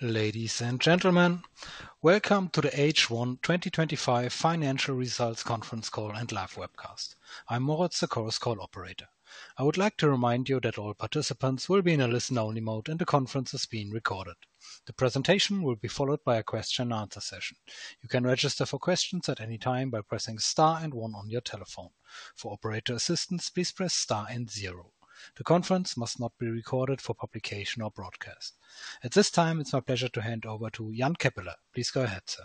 Ladies and gentlemen, welcome to the H1 2025 Financial Results Conference Call and Live Webcast. I'm Moritz, the call's call operator. I would like to remind you that all participants will be in a listen-only mode and the conference is being recorded. The presentation will be followed by a question-and-answer session. You can register for questions at any time by pressing star and one on your telephone. For operator assistance, please press star and zero. The conference must not be recorded for publication or broadcast. At this time, it's my pleasure to hand over to Jan Keppeler. Please go ahead, sir.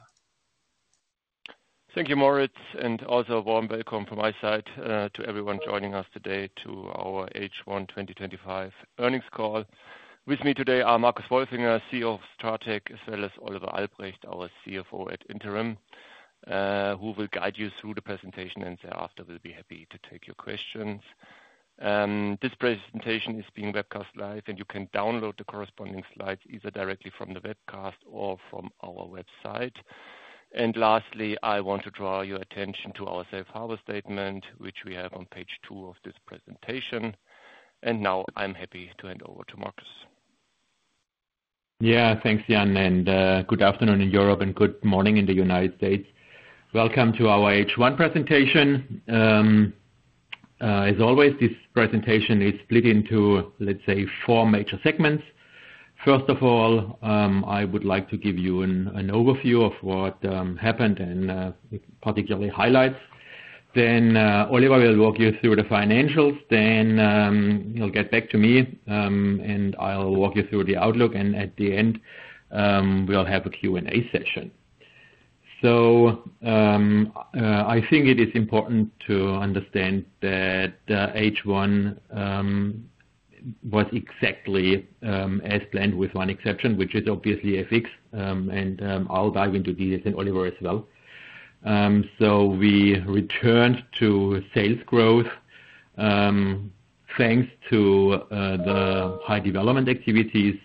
Thank you, Moritz, and also a warm welcome from my side to everyone joining us today to our H1 2025 earnings call. With me today are Marcus Wolfinger, CEO of SE, as well as Oliver Albrecht, our CFO at Interim, who will guide you through the presentation and thereafter will be happy to take your questions. This presentation is being webcast live, and you can download the corresponding slides either directly from the webcast or from our website. Lastly, I want to draw your attention to our safe harbor statement, which we have on page two of this presentation. Now I'm happy to hand over to Marcus. Yeah, thanks, Jan, and good afternoon in Europe and good morning in the United States. Welcome to our H1 presentation. As always, this presentation is split into, let's say, four major segments. First of all, I would like to give you an overview of what happened and particularly highlights. Then Oliver will walk you through the financials. You'll get back to me, and I'll walk you through the outlook. At the end, we'll have a Q&A session. I think it is important to understand that H1 was exactly as planned, with one exception, which is obviously FX. I'll dive into this and Oliver as well. We returned to sales growth thanks to the high development activities.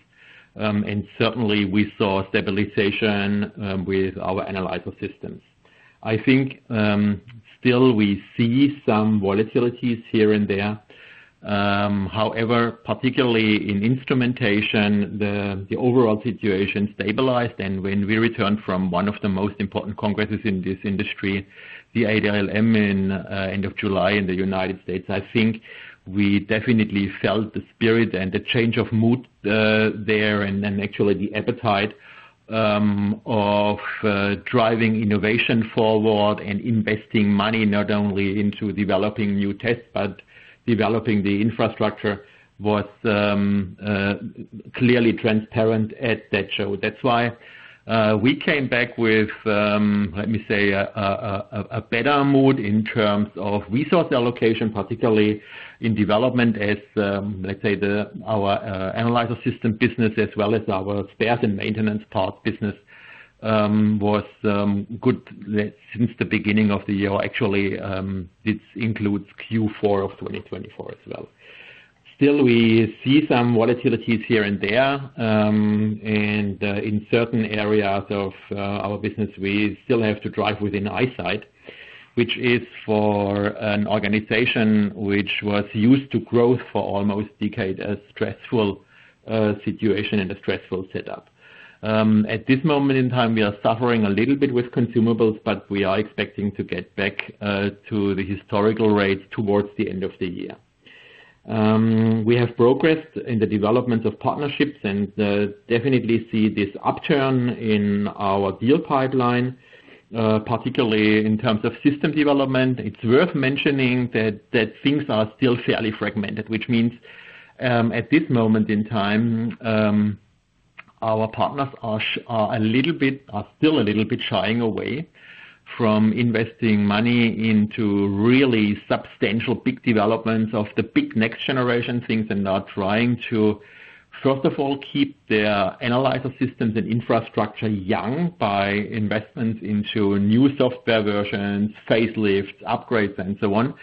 Certainly, we saw stabilization with our Analyzer Systems. I think still we see some volatilities here and there. However, particularly in instrumentation, the overall situation stabilized. When we returned from one of the most important congresses in this industry, the ADLM at the end of July in the United States, I think we definitely felt the spirit and the change of mood there. Actually, the appetite of driving innovation forward and investing money not only into developing new tests, but developing the infrastructure was clearly transparent at that show. That's why we came back with, let me say, a better mood in terms of resource allocation, particularly in development, as let's say our Analyzer Systems business, as well as our service parts and maintenance parts business, was good since the beginning of the year. Actually, this includes Q4 of 2024 as well. Still, we see some volatilities here and there. In certain areas of our business, we still have to drive within eyesight, which is for an organization which was used to growth for almost a decade as a stressful situation and a stressful setup. At this moment in time, we are suffering a little bit with consumables, but we are expecting to get back to the historical rates towards the end of the year. We have progressed in the development of partnerships and definitely see this upturn in our deal pipeline, particularly in terms of system development. It's worth mentioning that things are still fairly fragmented, which means at this moment in time, our partners are still a little bit shying away from investing money into really substantial big developments of the big next generation things and are trying to, first of all, keep their Analyzer Systems and infrastructure young by investments into new software versions, facelifts, upgrades, and so on.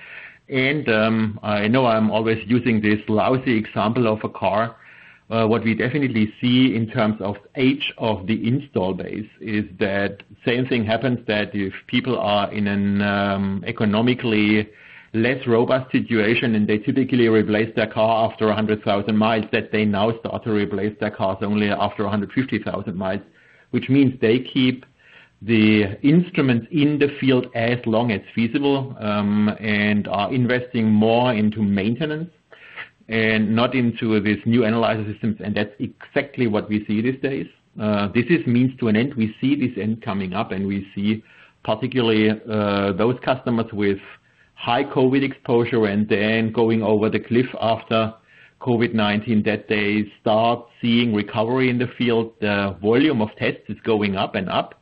I know I'm always using this lousy example of a car. What we definitely see in terms of the age of the install base is that the same thing happens that if people are in an economically less robust situation and they typically replace their car after 100,000 miles, that they now start to replace their cars only after 150,000 miles, which means they keep the instruments in the field as long as feasible and are investing more into maintenance and not into these new Analyzer Systems. That's exactly what we see these days. This is means to an end. We see this end coming up and we see particularly those customers with high COVID exposure and then going over the cliff after COVID-19 that they start seeing recovery in the field. The volume of tests is going up and up,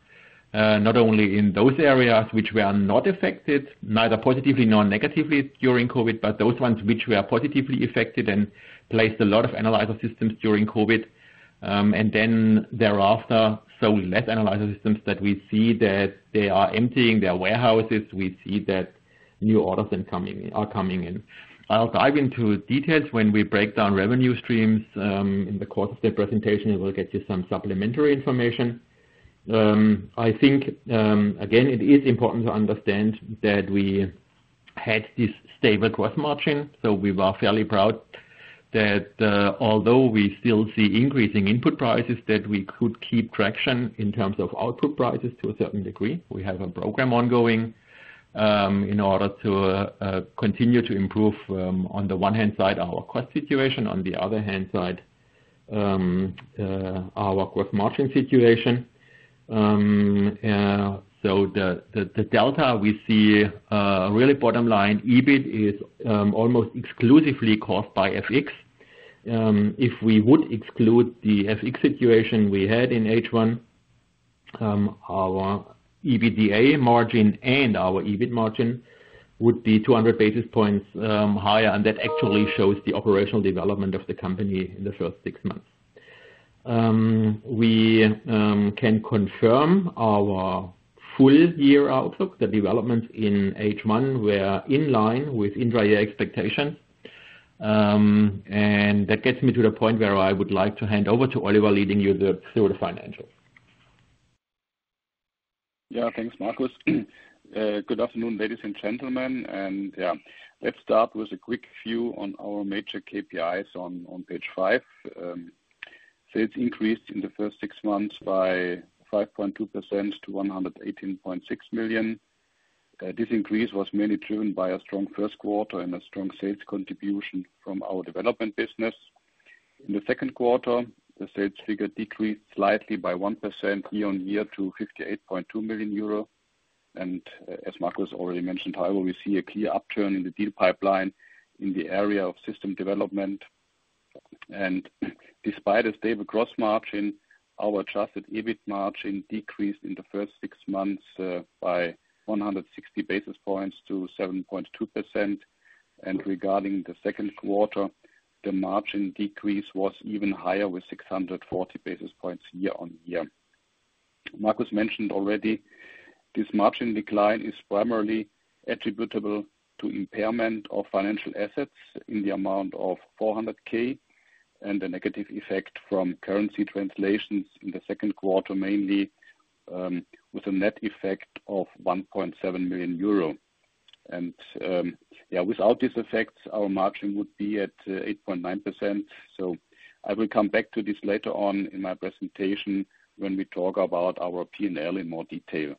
not only in those areas which were not affected, neither positively nor negatively during COVID, but those ones which were positively affected and placed a lot of Analyzer Systems during COVID. Thereafter, so less Analyzer Systems that we see that they are emptying their warehouses. We see that new orders are coming in. I'll dive into details when we break down revenue streams in the course of the presentation. It will get you some supplementary information. I think, again, it is important to understand that we had this stable gross margin. We were fairly proud that although we still see increasing input prices, we could keep traction in terms of output prices to a certain degree. We have a program ongoing in order to continue to improve, on the one hand side, our cost situation, on the other hand side, our gross margin situation. The delta we see, really bottom line, EBIT is almost exclusively caused by FX. If we would exclude the FX situation we had in H1, our EBITDA margin and our EBIT margin would be 200 basis points higher. That actually shows the operational development of the company in the first six months. We can confirm our full year outlook. The developments in H1 were in line with intra-year expectations. That gets me to the point where I would like to hand over to Oliver, leading you through the financials. Yeah, thanks, Marcus. Good afternoon, ladies and gentlemen. Let's start with a quick view on our major KPIs on page five. Sales increased in the first six months by 5.2% to 118.6 million. This increase was mainly driven by a strong first quarter and a strong sales contribution from our development business. In the second quarter, the sales figure decreased slightly by 1% year-on-year to 58.2 million euro. As Marcus already mentioned, we see a clear upturn in the deal pipeline in the area of system development. Despite a stable gross margin, our adjusted EBIT margin decreased in the first six months by 160 basis points to 7.2%. Regarding the second quarter, the margin decrease was even higher with 640 basis points year-on-year. Marcus mentioned already this margin decline is primarily attributable to impairment of financial assets in the amount of 400,000 and the negative effect from currency translations in the second quarter, mainly with a net effect of 1.7 million euro. Without these effects, our margin would be at 8.9%. I will come back to this later on in my presentation when we talk about our P&L in more detail.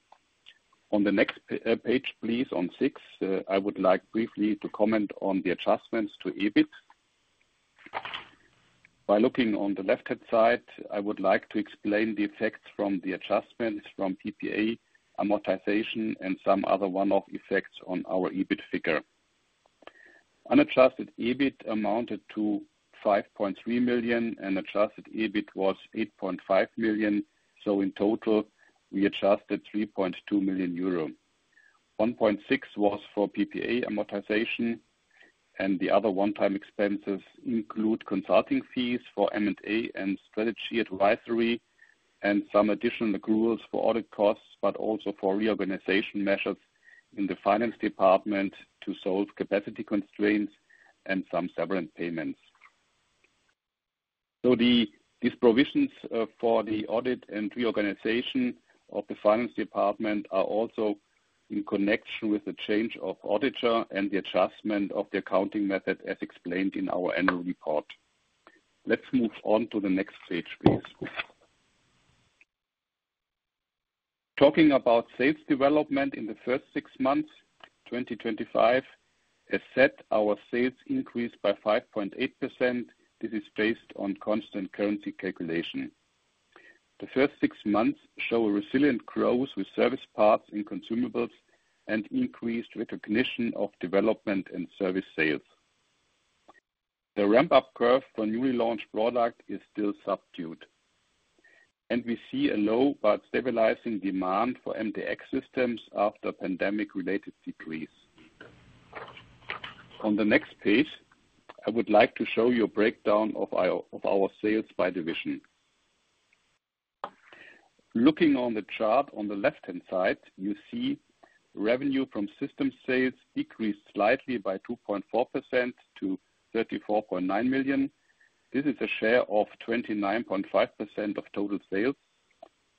On the next page, please, on six, I would like briefly to comment on the adjustments to EBIT. By looking on the left-hand side, I would like to explain the effect from the adjustments from PPA amortization and some other one-off effects on our EBIT figure. Unadjusted EBIT amounted to 5.3 million, and adjusted EBIT was 8.5 million. In total, we adjusted 3.2 million euro. 1.6 million was for PPA amortization, and the other one-time expenses include consulting fees for M&A and strategy advisory and some additional accruals for audit costs, but also for reorganization measures in the finance department to solve capacity constraints and some severance payments. These provisions for the audit and reorganization of the finance department are also in connection with the change of auditor and the adjustment of the accounting method, as explained in our annual report. Let's move on to the next page, please. Talking about sales development in the first six months, 2025, as said, our sales increased by 5.8%. This is based on constant currency calculation. The first six months show a resilient growth with service parts and consumables and increased recognition of development and service sales. The ramp-up curve for newly launched products is still subdued. We see a low but stabilizing demand for MDX systems after the pandemic-related decrease. On the next page, I would like to show you a breakdown of our sales by division. Looking on the chart on the left-hand side, you see revenue from system sales decreased slightly by 2.4% to 34.9 million. This is a share of 29.5% of total sales.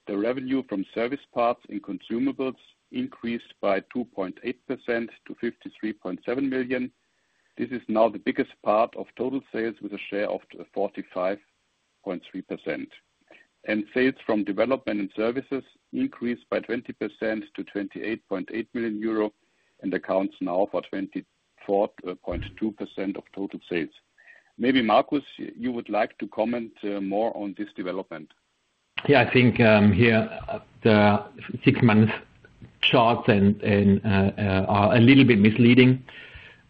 The revenue from service parts and consumables increased by 2.8% to 53.7 million. This is now the biggest part of total sales with a share of 45.3%. Sales from development and services increased by 20% to 28.8 million euro and accounts now for 24.2% of total sales. Maybe, Marcus, you would like to comment more on this development? Yeah, I think here the six-month charts are a little bit misleading.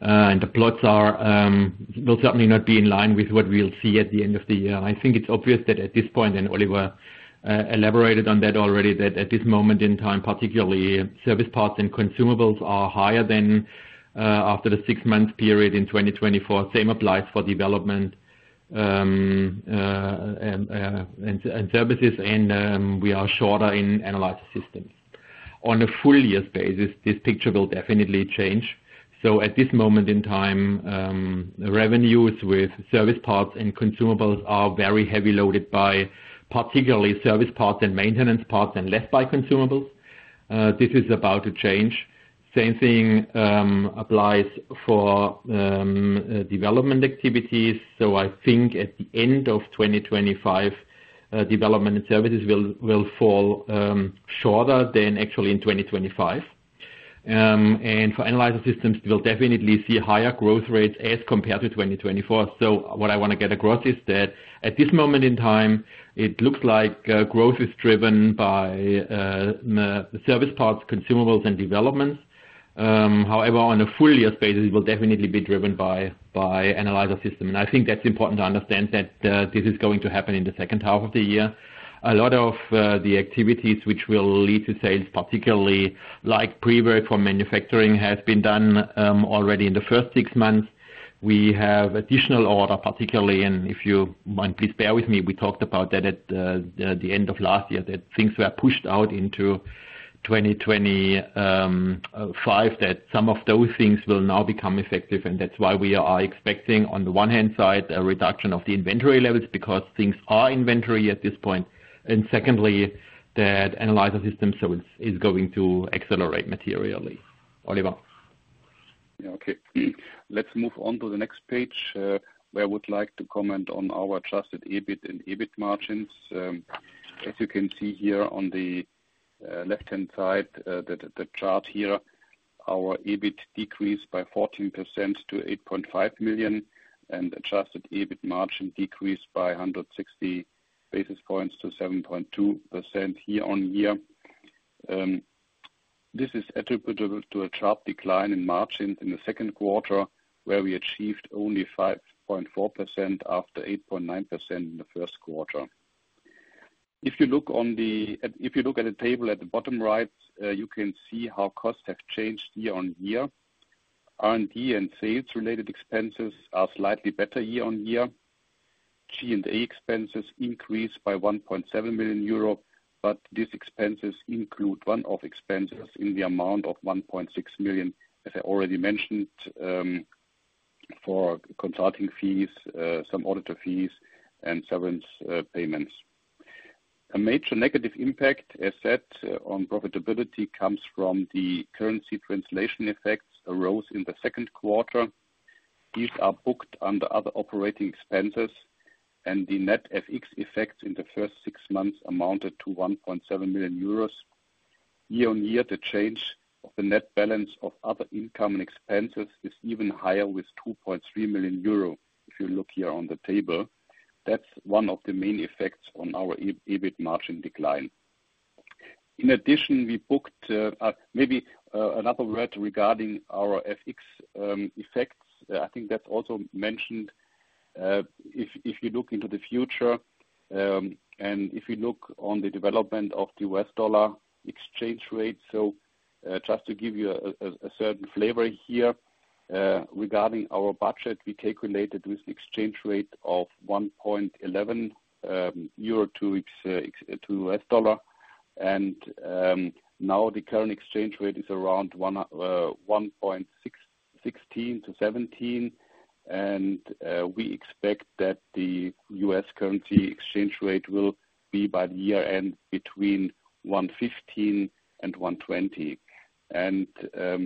The plots will certainly not be in line with what we'll see at the end of the year. I think it's obvious that at this point, and Oliver elaborated on that already, that at this moment in time, particularly service parts and consumables are higher than after the six-month period in 2024. The same applies for development and services, and we are shorter in Analyzer Systems. On a full year's basis, this picture will definitely change. At this moment in time, revenues with service parts and consumables are very heavy loaded by particularly service parts and maintenance parts and less by consumables. This is about to change. The same thing applies for development activities. I think at the end of 2025, development and services will fall shorter than actually in 2025. For Analyzer Systems, we'll definitely see higher growth rates as compared to 2024. What I want to get across is that at this moment in time, it looks like growth is driven by service parts, consumables, and developments. However, on a full year's basis, it will definitely be driven by Analyzer Systems. I think that's important to understand that this is going to happen in the second half of the year. A lot of the activities which will lead to sales, particularly like pre-work for manufacturing, have been done already in the first six months. We have additional orders, particularly, and if you want, please bear with me. We talked about that at the end of last year that things were pushed out into 2025, that some of those things will now become effective. That's why we are expecting, on the one hand side, a reduction of the inventory levels because things are inventory at this point. Secondly, Analyzer Systems is going to accelerate materially. Oliver. Yeah, okay. Let's move on to the next page, where I would like to comment on our adjusted EBIT and EBIT margins. As you can see here on the left-hand side, the chart here, our EBIT decreased by 14% to 8.5 million, and adjusted EBIT margin decreased by 160 basis points to 7.2% year-on-year. This is attributable to a sharp decline in margins in the second quarter, where we achieved only 5.4% after 8.9% in the first quarter. If you look at the table at the bottom right, you can see how costs have changed year-on-year. R&D and sales-related expenses are slightly better year-on-year. G&A expenses increased by 1.7 million euro, but these expenses include one-off expenses in the amount of 1.6 million, as I already mentioned, for consulting fees, some auditor fees, and severance payments. A major negative impact, as said, on profitability comes from the currency translation effects arose in the second quarter. These are booked under other operating expenses, and the net FX effects in the first six months amounted to 1.7 million euros. Year-on-year, the change in the net balance of other income and expenses is even higher with 2.3 million euro. If you look here on the table, that's one of the main effects on our EBIT margin decline. In addition, we booked maybe another word regarding our FX effects. I think that's also mentioned. If you look into the future, and if you look on the development of the U.S. dollar exchange rate, just to give you a certain flavor here, regarding our budget, we calculated with an exchange rate of 1.11 euros to U.S. dollars. Now the current exchange rate is around $1.16-$1.17. We expect that the U.S. currency exchange rate will be by the year end between $1.15 and $1.20.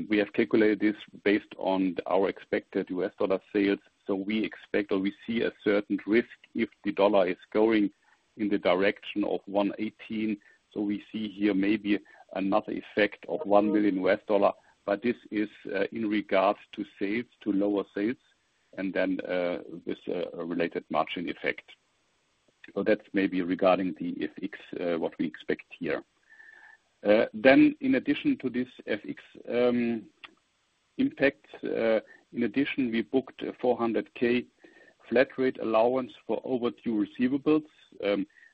We have calculated this based on our expected U.S. dollar sales. We expect or we see a certain risk if the dollar is going in the direction of $1.18. We see here maybe another effect of $1 million, but this is in regards to sales, to lower sales, and then this related margin effect. That's maybe regarding the FX, what we expect here. In addition to this FX impact, we booked a 400,000 flat rate allowance for overdue receivables.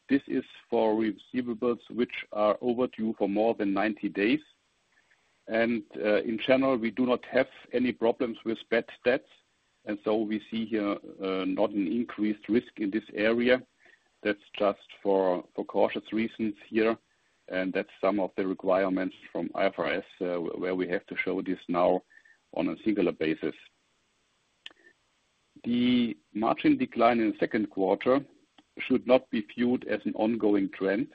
This is for receivables which are overdue for more than 90 days. In general, we do not have any problems with bad stats. We see here not an increased risk in this area. That's just for cautious reasons here. That's some of the requirements from IFRS where we have to show this now on a singular basis. The margin decline in the second quarter should not be viewed as an ongoing trend.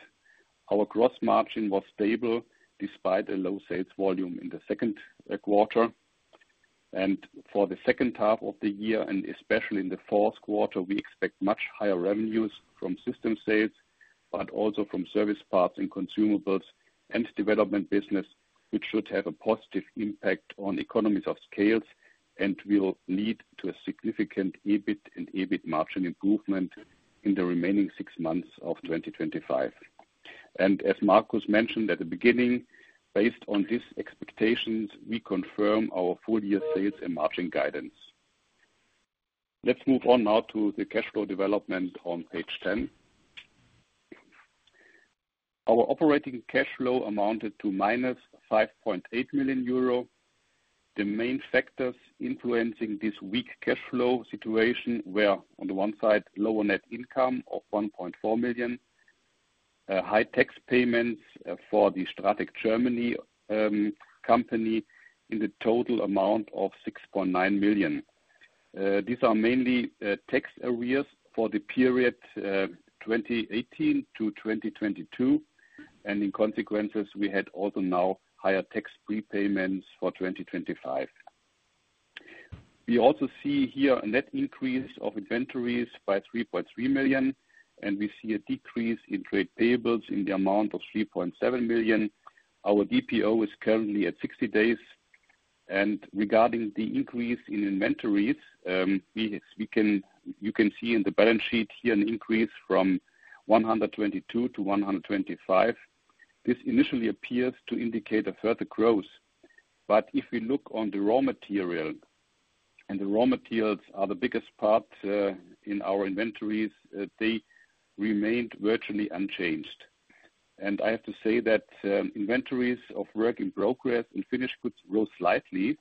Our gross margin was stable despite a low sales volume in the second quarter. For the second half of the year, especially in the fourth quarter, we expect much higher revenues from system sales, but also from service parts and consumables and development business, which should have a positive impact on economies of scale and will lead to a significant EBIT and EBIT margin improvement in the remaining six months of 2025. As Marcus mentioned at the beginning, based on these expectations, we confirm our full year sales and margin guidance. Let's move on now to the cash flow development on page 10. Our operating cash flow amounted to -5.8 million euro. The main factors influencing this weak cash flow situation were, on the one side, lower net income of 1.4 million, high tax payments for the Stratec Germany company in the total amount of 6.9 million. These are mainly tax areas for the period 2018-2022. In consequence, we had also now higher tax prepayments for 2025. We also see here a net increase of inventories by 3.3 million, and we see a decrease in trade payables in the amount of 3.7 million. Our DPO is currently at 60 days. Regarding the increase in inventories, you can see in the balance sheet here an increase from 122 million-125 million. This initially appears to indicate a further growth. If we look on the raw material, and the raw materials are the biggest part in our inventories, they remained virtually unchanged. I have to say that inventories of work in progress and finished goods rose slightly.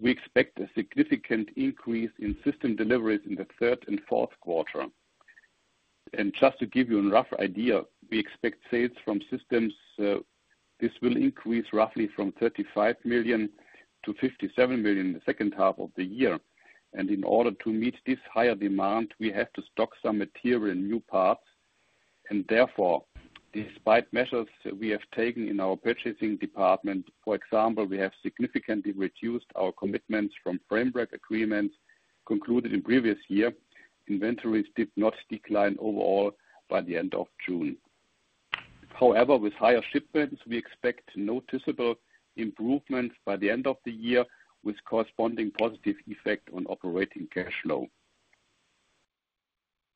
We expect a significant increase in system deliveries in the third and fourth quarter. Just to give you a rough idea, we expect sales from systems, this will increase roughly from 35 million-57 million in the second half of the year. In order to meet this higher demand, we have to stock some material in new parts. Therefore, despite measures we have taken in our purchasing department, for example, we have significantly reduced our commitments from framework agreements concluded in the previous year. Inventories did not decline overall by the end of June. However, with higher shipments, we expect noticeable improvements by the end of the year with corresponding positive effect on operating cash flow.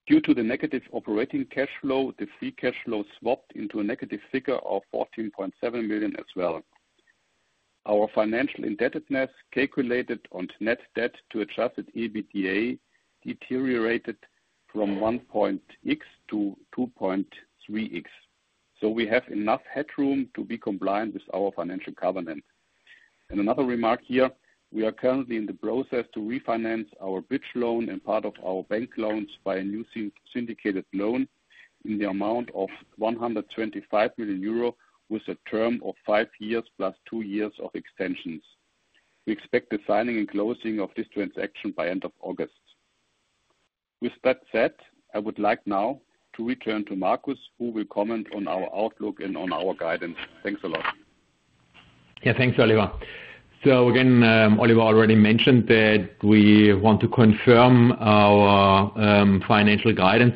Due to the negative operating cash flow, the free cash flow swapped into a negative figure of 14.7 million as well. Our financial indebtedness calculated on net debt to adjusted EBITDA deteriorated from 1.0x-2.3x. We have enough headroom to be compliant with our financial governance. Another remark here, we are currently in the process to refinance our bridge loan and part of our bank loans by a new syndicated loan in the amount of 125 million euro with a term of five years plus two years of extensions. We expect the signing and closing of this transaction by the end of August. With that said, I would like now to return to Marcus, who will comment on our outlook and on our guidance. Thanks a lot. Yeah, thanks, Oliver. Oliver already mentioned that we want to confirm our financial guidance.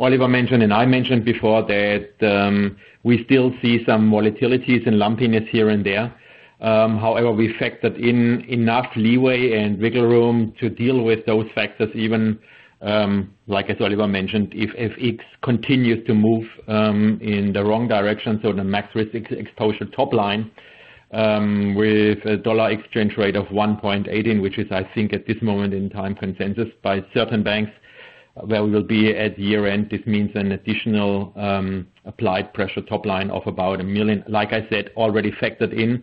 Oliver mentioned, and I mentioned before, that we still see some volatilities and lumpiness here and there. However, we factored in enough leeway and wiggle room to deal with those factors, even, like as Oliver mentioned, if FX continues to move in the wrong direction. The max risk exposure top line with a dollar exchange rate of $1.18, which is, I think, at this moment in time, consensus by certain banks where we will be at year end. This means an additional applied pressure top line of about $1 million, like I said, already factored in.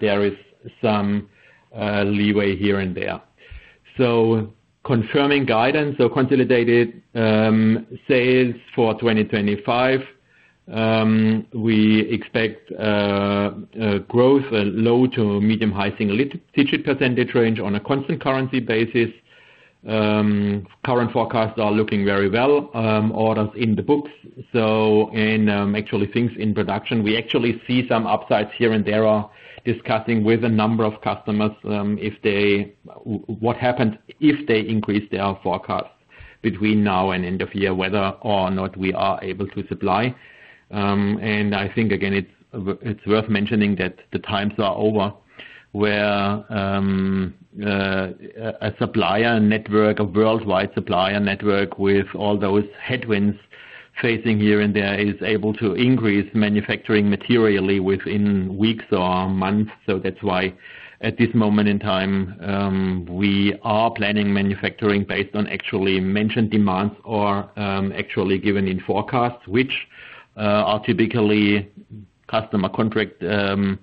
There is some leeway here and there. Confirming guidance, consolidated sales for 2025. We expect growth, a low to medium high single-digit % range on a constant currency basis. Current forecasts are looking very well. Orders in the books. Things in production, we actually see some upsides here and there. We are discussing with a number of customers what happens if they increase their forecast between now and end of year, whether or not we are able to supply. I think, again, it's worth mentioning that the times are over where a supplier network, a worldwide supplier network with all those headwinds facing here and there, is able to increase manufacturing materially within weeks or months. At this moment in time, we are planning manufacturing based on actually mentioned demands or actually given in forecasts, which are typically customer contract-independent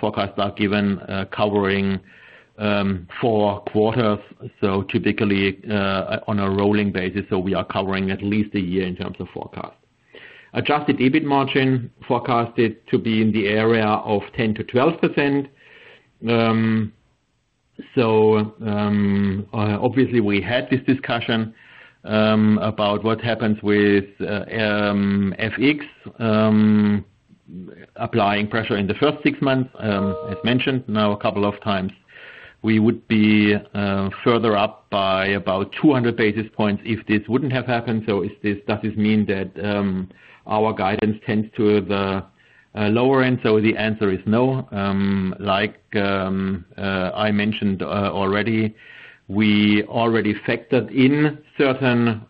forecasts that are given covering four quarters. Typically, on a rolling basis, we are covering at least a year in terms of forecast. Adjusted EBIT margin forecasted to be in the area of 10%-12%. We had this discussion about what happens with FX applying pressure in the first six months, as mentioned now a couple of times. We would be further up by about 200 basis points if this wouldn't have happened. Does this mean that our guidance tends to the lower end? The answer is no. Like I mentioned already, we already factored in certain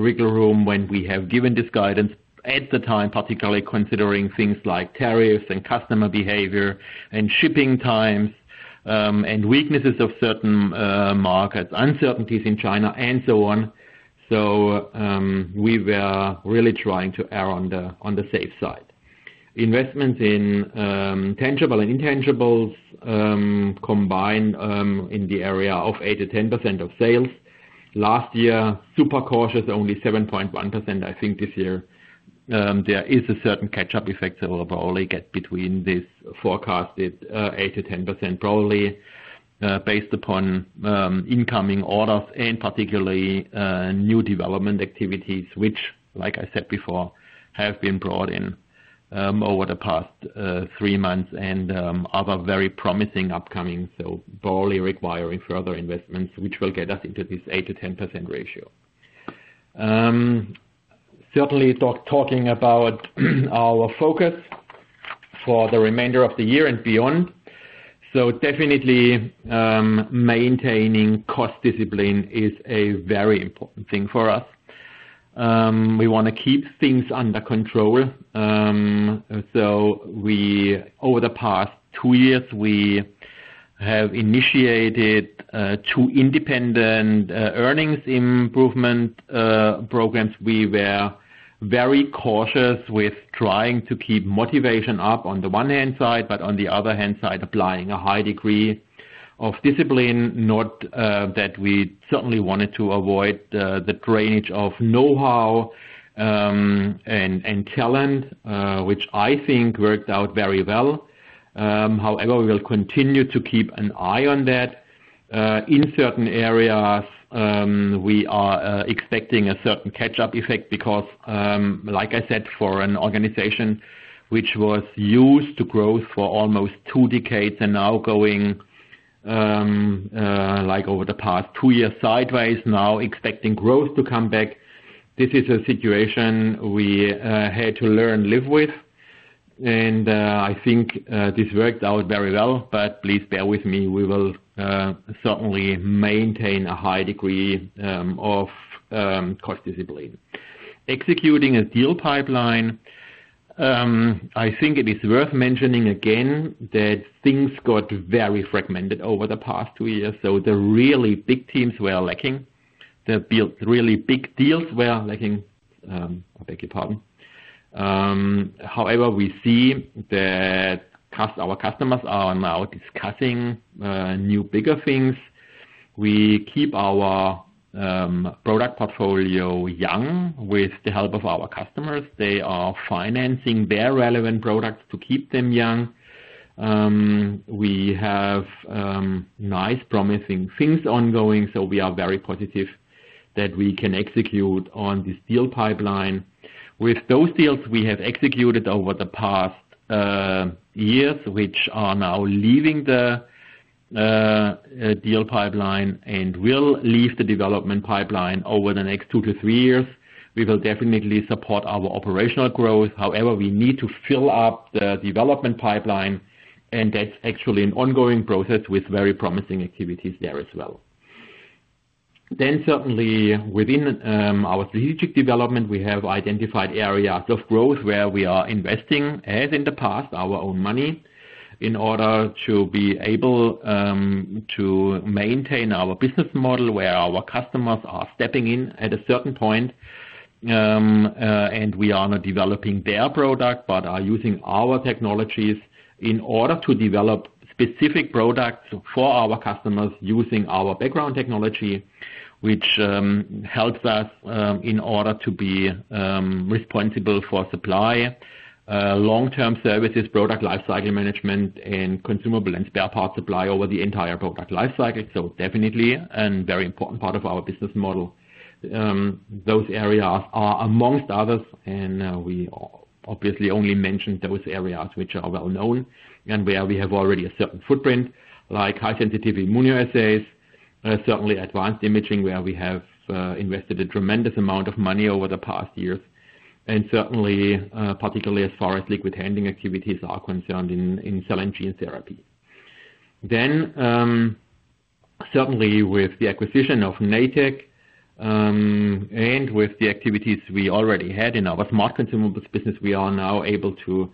wiggle room when we have given this guidance at the time, particularly considering things like tariffs and customer behavior and shipping times and weaknesses of certain markets, uncertainties in China, and so on. We were really trying to err on the safe side. Investments in tangible and intangibles combined in the area of 8%-10% of sales last year, super cautious, only 7.1%. I think this year, there is a certain catch-up effect. We'll probably get between this forecasted 8%-10% probably based upon incoming orders and particularly new development activities, which, like I said before, have been brought in over the past three months and other very promising upcoming, so probably requiring further investments, which will get us into this 8%-10% ratio. Certainly, talking about our focus for the remainder of the year and beyond. Definitely, maintaining cost discipline is a very important thing for us. We want to keep things under control. Over the past two years, we have initiated two independent earnings improvement programs. We were very cautious with trying to keep motivation up on the one hand side, but on the other hand side, applying a high degree of discipline, not that we certainly wanted to avoid the drainage of know-how and talent, which I think worked out very well. However, we will continue to keep an eye on that. In certain areas, we are expecting a certain catch-up effect because, like I said, for an organization which was used to growth for almost two decades and now going like over the past two years sideways, now expecting growth to come back. This is a situation we had to learn to live with. I think this worked out very well, but please bear with me. We will certainly maintain a high degree of cost discipline. Executing a deal pipeline, I think it is worth mentioning again that things got very fragmented over the past two years. The really big teams were lacking. The really big deals were lacking. I beg your pardon. However, we see that our customers are now discussing new bigger things. We keep our product portfolio young with the help of our customers. They are financing their relevant products to keep them young. We have nice promising things ongoing. We are very positive that we can execute on this deal pipeline. With those deals we have executed over the past years, which are now leaving the deal pipeline and will leave the development pipeline over the next two to three years, we will definitely support our operational growth. However, we need to fill up the development pipeline, and that's actually an ongoing process with very promising activities there as well. Certainly, within our strategic development, we have identified areas of growth where we are investing, as in the past, our own money in order to be able to maintain our business model where our customers are stepping in at a certain point. We are not developing their product, but are using our technologies in order to develop specific products for our customers using our background technology, which helps us in order to be responsible for supply, long-term services, product lifecycle management, and consumable and spare parts supply over the entire product lifecycle. This is definitely a very important part of our business model. Those areas are, amongst others, and we obviously only mention those areas which are well known and where we have already a certain footprint, like high-sensitivity immunoassays, certainly advanced imaging where we have invested a tremendous amount of money over the past years, and particularly as far as liquid handling activities are concerned in cell and gene therapy. With the acquisition of Natech and with the activities we already had in our smart consumables business, we are now able to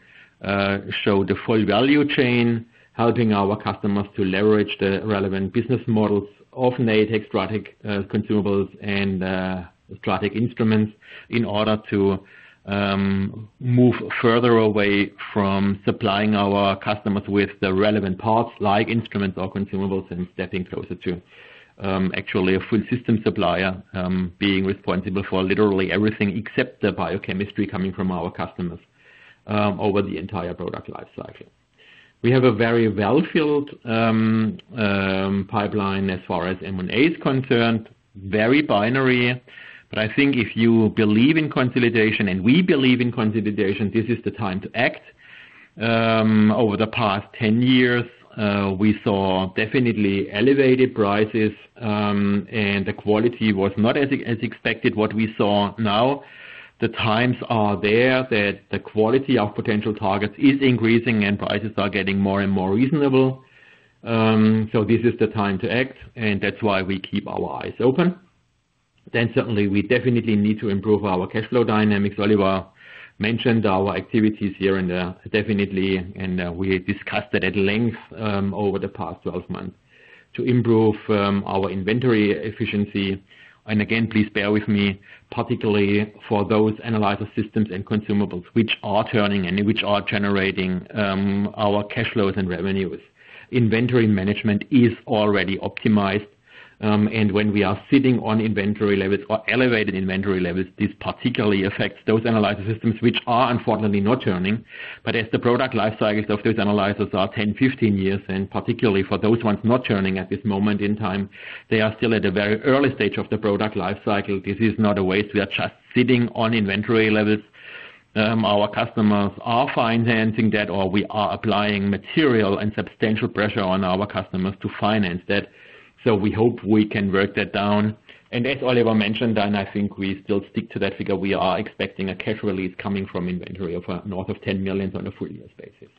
show the full value chain, helping our customers to leverage the relevant business models of Natech, Stratec consumables, and Stratec instruments in order to move further away from supplying our customers with the relevant parts like instruments or consumables and stepping closer to actually a full system supplier being responsible for literally everything except the biochemistry coming from our customers over the entire product lifecycle. We have a very well-filled pipeline as far as M&A is concerned, very binary. If you believe in consolidation and we believe in consolidation, this is the time to act. Over the past 10 years, we saw definitely elevated prices, and the quality was not as expected. What we saw now, the times are there that the quality of potential targets is increasing and prices are getting more and more reasonable. This is the time to act, and that's why we keep our eyes open. We definitely need to improve our cash flow dynamics. Oliver mentioned our activities here and there, definitely, and we discussed it at length over the past 12 months to improve our inventory efficiency. Again, please bear with me, particularly for those Analyzer Systems and consumables which are turning and which are generating our cash flows and revenues. Inventory management is already optimized. When we are sitting on inventory levels or elevated inventory levels, this particularly affects those Analyzer Systems which are unfortunately not churning. As the product lifecycle of those analyzers is 10, 15 years, and particularly for those ones not churning at this moment in time, they are still at a very early stage of the product lifecycle. This is not a waste. We are just sitting on inventory levels. Our customers are financing that, or we are applying material and substantial pressure on our customers to finance that. We hope we can work that down. As Oliver mentioned, and I think we still stick to that figure, we are expecting a cash release coming from inventory of north of 10 million on a three-year basis.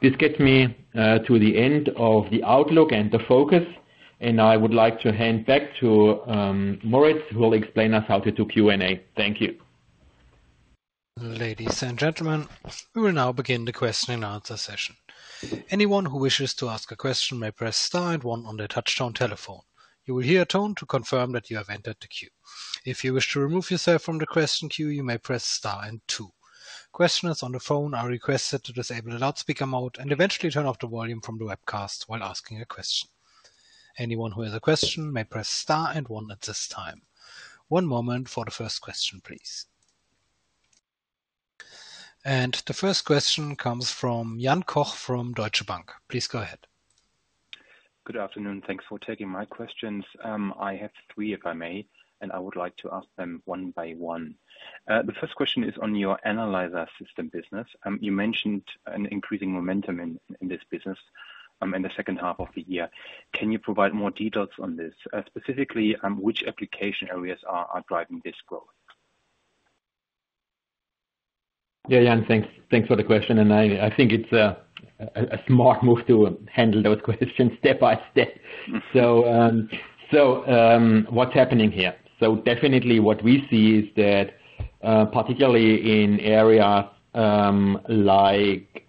This gets me to the end of the outlook and the focus. I would like to hand back to Moritz, who will explain us how to do Q&A. Thank you. Ladies and gentlemen, we will now begin the question and answer session. Anyone who wishes to ask a question may press star and one on their touchstone telephone. You will hear a tone to confirm that you have entered the queue. If you wish to remove yourself from the question queue, you may press star and two. Questioners on the phone are requested to disable the loudspeaker mode and eventually turn off the volume from the webcast while asking a question. Anyone who has a question may press star and one at this time. One moment for the first question, please. The first question comes from Jean Koh from Deutsche Bank. Please go ahead. Good afternoon. Thanks for taking my questions. I have three, if I may, and I would like to ask them one by one. The first question is on your Analyzer Systems business. You mentioned an increasing momentum in this business in the second half of the year. Can you provide more details on this? Specifically, which application areas are driving this growth? Yeah, Jan, thanks for the question. I think it's a smart move to handle those questions step by step. What's happening here? Definitely what we see is that particularly in areas like,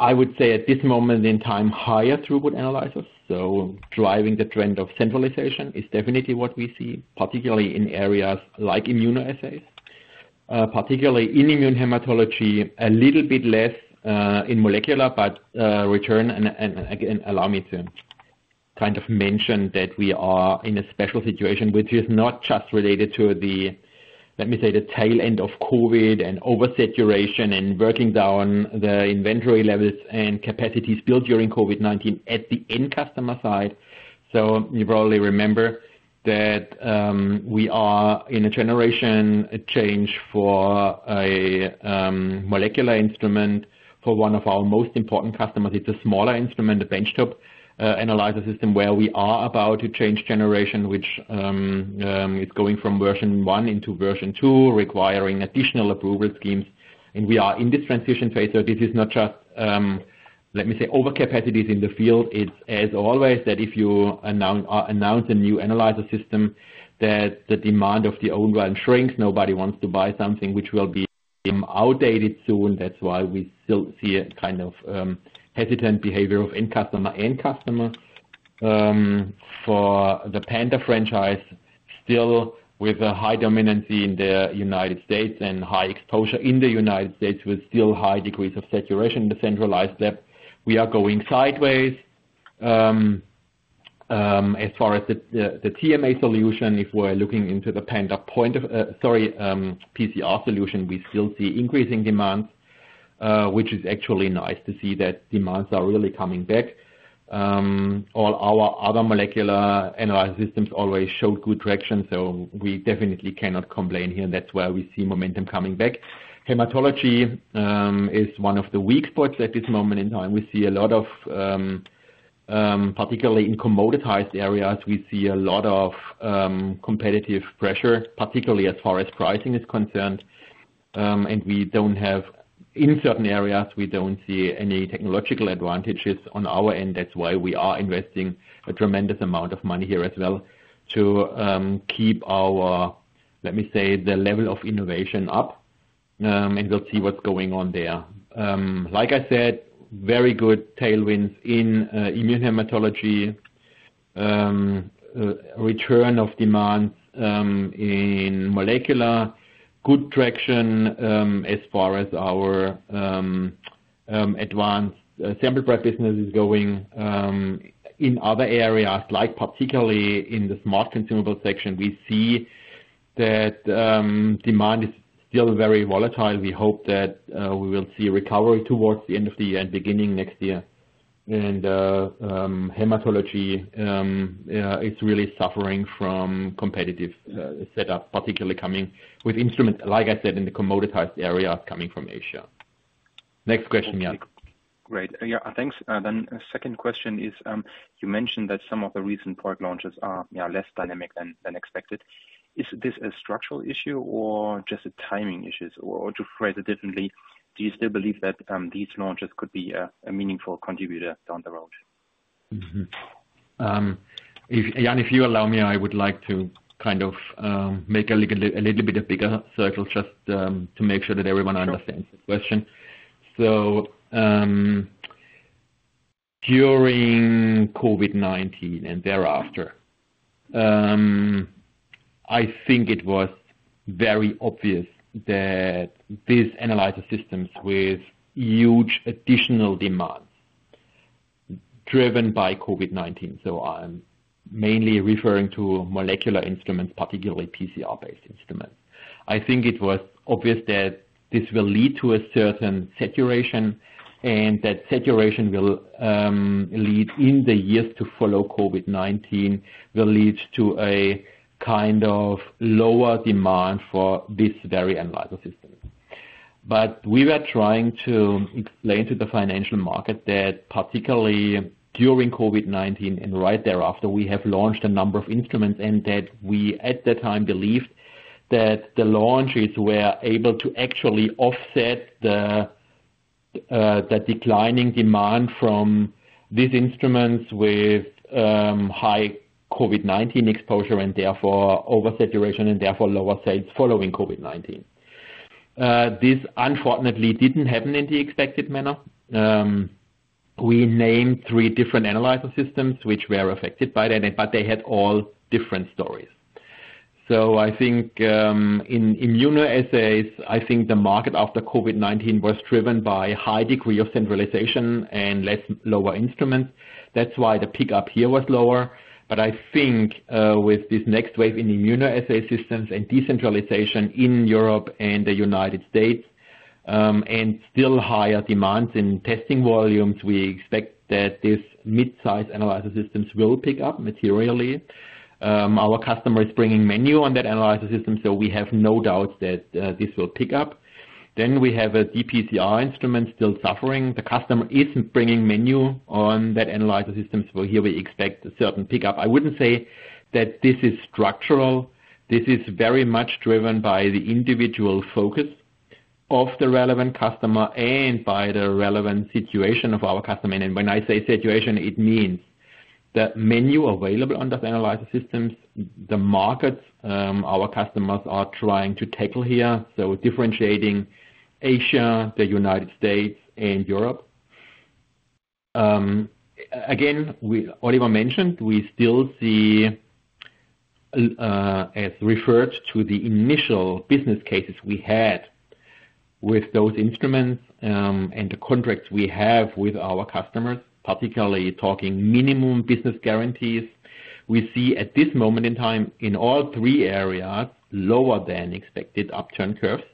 I would say at this moment in time, higher throughput Analyzer Systems, driving the trend of centralization is definitely what we see, particularly in areas like immunoassays, particularly in immune hematology, a little bit less in molecular, but return. Again, allow me to mention that we are in a special situation, which is not just related to the tail end of COVID and oversaturation and working down the inventory levels and capacities built during COVID-19 at the end customer side. You probably remember that we are in a generation change for a molecular instrument for one of our most important customers. It's a smaller instrument, the benchtop Analyzer System, where we are about to change generation, which is going from version one into version two, requiring additional approval schemes. We are in this transition phase. This is not just overcapacities in the field. It's as always that if you announce a new Analyzer System, the demand of the old one shrinks. Nobody wants to buy something which will be outdated soon. That's why we still see a kind of hesitant behavior of end customer and customer. For the Panda franchise, still with a high dominance in the United States and high exposure in the United States with still high degrees of saturation in the centralized lab, we are going sideways. As far as the TMA solution, if we're looking into the Panda point of, sorry, PCR solution, we still see increasing demands, which is actually nice to see that demands are really coming back. All our other molecular Analyzer Systems always showed good traction. We definitely cannot complain here. That's where we see momentum coming back. Hematology is one of the weak spots at this moment in time. We see a lot of, particularly in commoditized areas, we see a lot of competitive pressure, particularly as far as pricing is concerned. We don't have, in certain areas, we don't see any technological advantages on our end. That's why we are investing a tremendous amount of money here as well to keep our, let me say, the level of innovation up. We'll see what's going on there. Like I said, very good tailwinds in immune hematology, return of demand in molecular, good traction as far as our advanced sample prep business is going. In other areas, particularly in the smart consumable section, we see that demand is still very volatile. We hope that we will see a recovery towards the end of the year and beginning next year. Hematology is really suffering from competitive setup, particularly coming with instruments, like I said, in the commoditized area coming from Asia. Next question, yeah. Great. Yeah, thanks. The second question is, you mentioned that some of the recent product launches are less dynamic than expected. Is this a structural issue or just a timing issue? To phrase it differently, do you still believe that these launches could be a meaningful contributor down the road? Jan, if you allow me, I would like to kind of make a little bit of bigger circles just to make sure that everyone understands the question. During COVID-19 and thereafter, I think it was very obvious that these Analyzer Systems with huge additional demands were driven by COVID-19. I'm mainly referring to molecular instruments, particularly PCR-based instruments. I think it was obvious that this would lead to a certain saturation and that saturation would lead in the years to follow COVID-19 to a kind of lower demand for this very analyzer system. We were trying to explain to the financial market that particularly during COVID-19 and right thereafter, we launched a number of instruments and that we at that time believed that the launches were able to actually offset the declining demand from these instruments with high COVID-19 exposure and therefore oversaturation and therefore lower sales following COVID-19. This unfortunately didn't happen in the expected manner. We named three different Analyzer Systems which were affected by that, but they had all different stories. In immunoassays, I think the market after COVID-19 was driven by a high degree of centralization and fewer lower instruments. That's why the pickup here was lower. With this next wave in immunoassay systems and decentralization in Europe and the United States, and still higher demands in testing volumes, we expect that these mid-size Analyzer Systems will pick up materially. Our customer is bringing menu on that analyzer system, so we have no doubts that this will pick up. We have a DPCR instrument still suffering. The customer is bringing menu on that analyzer system. Here we expect a certain pickup. I wouldn't say that this is structural. This is very much driven by the individual focus of the relevant customer and by the relevant situation of our customer. When I say situation, it means the menu available on those Analyzer Systems, the markets our customers are trying to tackle here. Differentiating Asia, the United States, and Europe. Oliver mentioned, we still see, as referred to the initial business cases we had with those instruments and the contracts we have with our customers, particularly talking minimum business guarantees. We see at this moment in time, in all three areas, lower than expected upturn curves.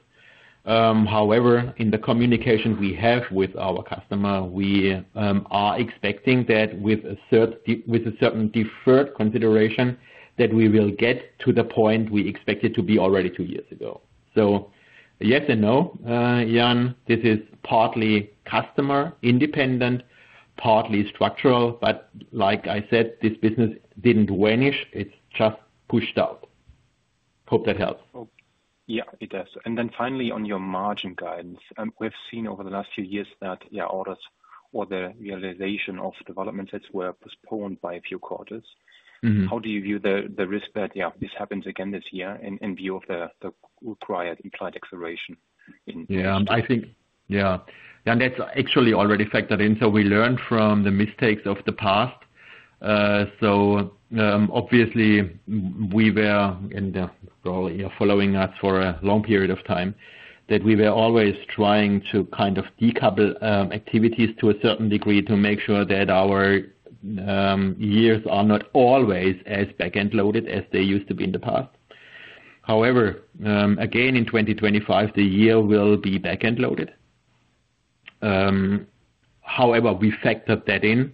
In the communication we have with our customer, we are expecting that with a certain deferred consideration we will get to the point we expected to be already two years ago. Yes and no, Jan, this is partly customer independent, partly structural, but like I said, this business didn't vanish. It's just pushed out. Hope that helps. It does. Finally, on your margin guidance, we've seen over the last few years that orders or the realization of development sets were postponed by a few quarters. How do you view the risk that this happens again this year in view of the required implied acceleration? I think, yeah. That's actually already factored in. We learned from the mistakes of the past. Obviously, for those following us for a long period of time, we were always trying to kind of decouple activities to a certain degree to make sure that our years are not always as back-end loaded as they used to be in the past. However, in 2025, the year will be back-end loaded. We factored that in.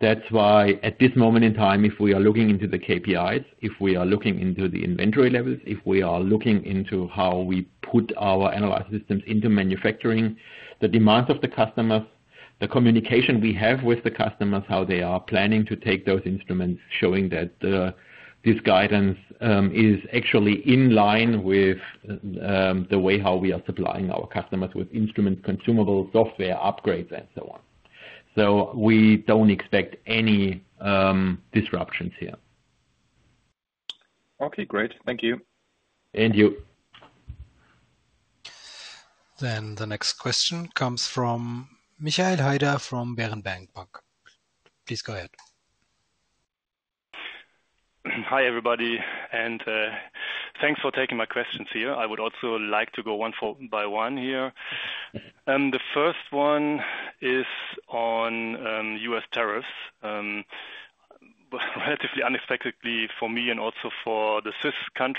That's why at this moment in time, if we are looking into the KPIs, if we are looking into the inventory levels, if we are looking into how we put our Analyzer Systems into manufacturing, the demands of the customers, the communication we have with the customers, how they are planning to take those instruments, it shows that this guidance is actually in line with the way we are supplying our customers with instrument consumables, software upgrades, and so on. We don't expect any disruptions here. Okay, great. Thank you. And you. The next question comes from Michael Haidinger from Berenberg Bank. Please go ahead. Hi, everybody. Thanks for taking my questions here. I would also like to go one by one here. The first one is on U.S. tariffs. Relatively unexpectedly for me and also for Switzerland,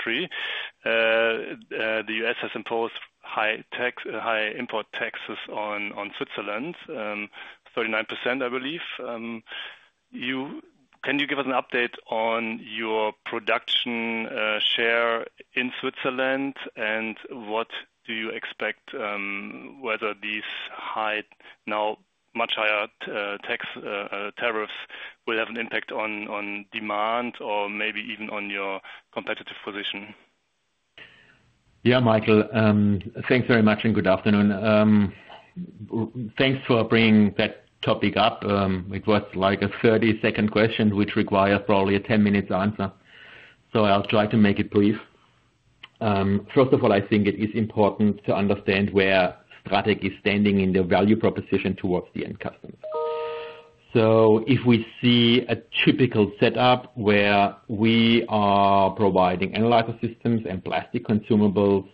the U.S. has imposed high import taxes on Switzerland, 39%, I believe. Can you give us an update on your production share in Switzerland and what do you expect, whether these high, now much higher tax tariffs will have an impact on demand or maybe even on your competitive position? Yeah, Michael, thanks very much and good afternoon. Thanks for bringing that topic up. It was like a 30-second question, which requires probably a 10-minute answer. I'll try to make it brief. First of all, I think it is important to understand where Stratec is standing in the value proposition towards the end customers. If we see a typical setup where we are providing Analyzer Systems and plastic consumables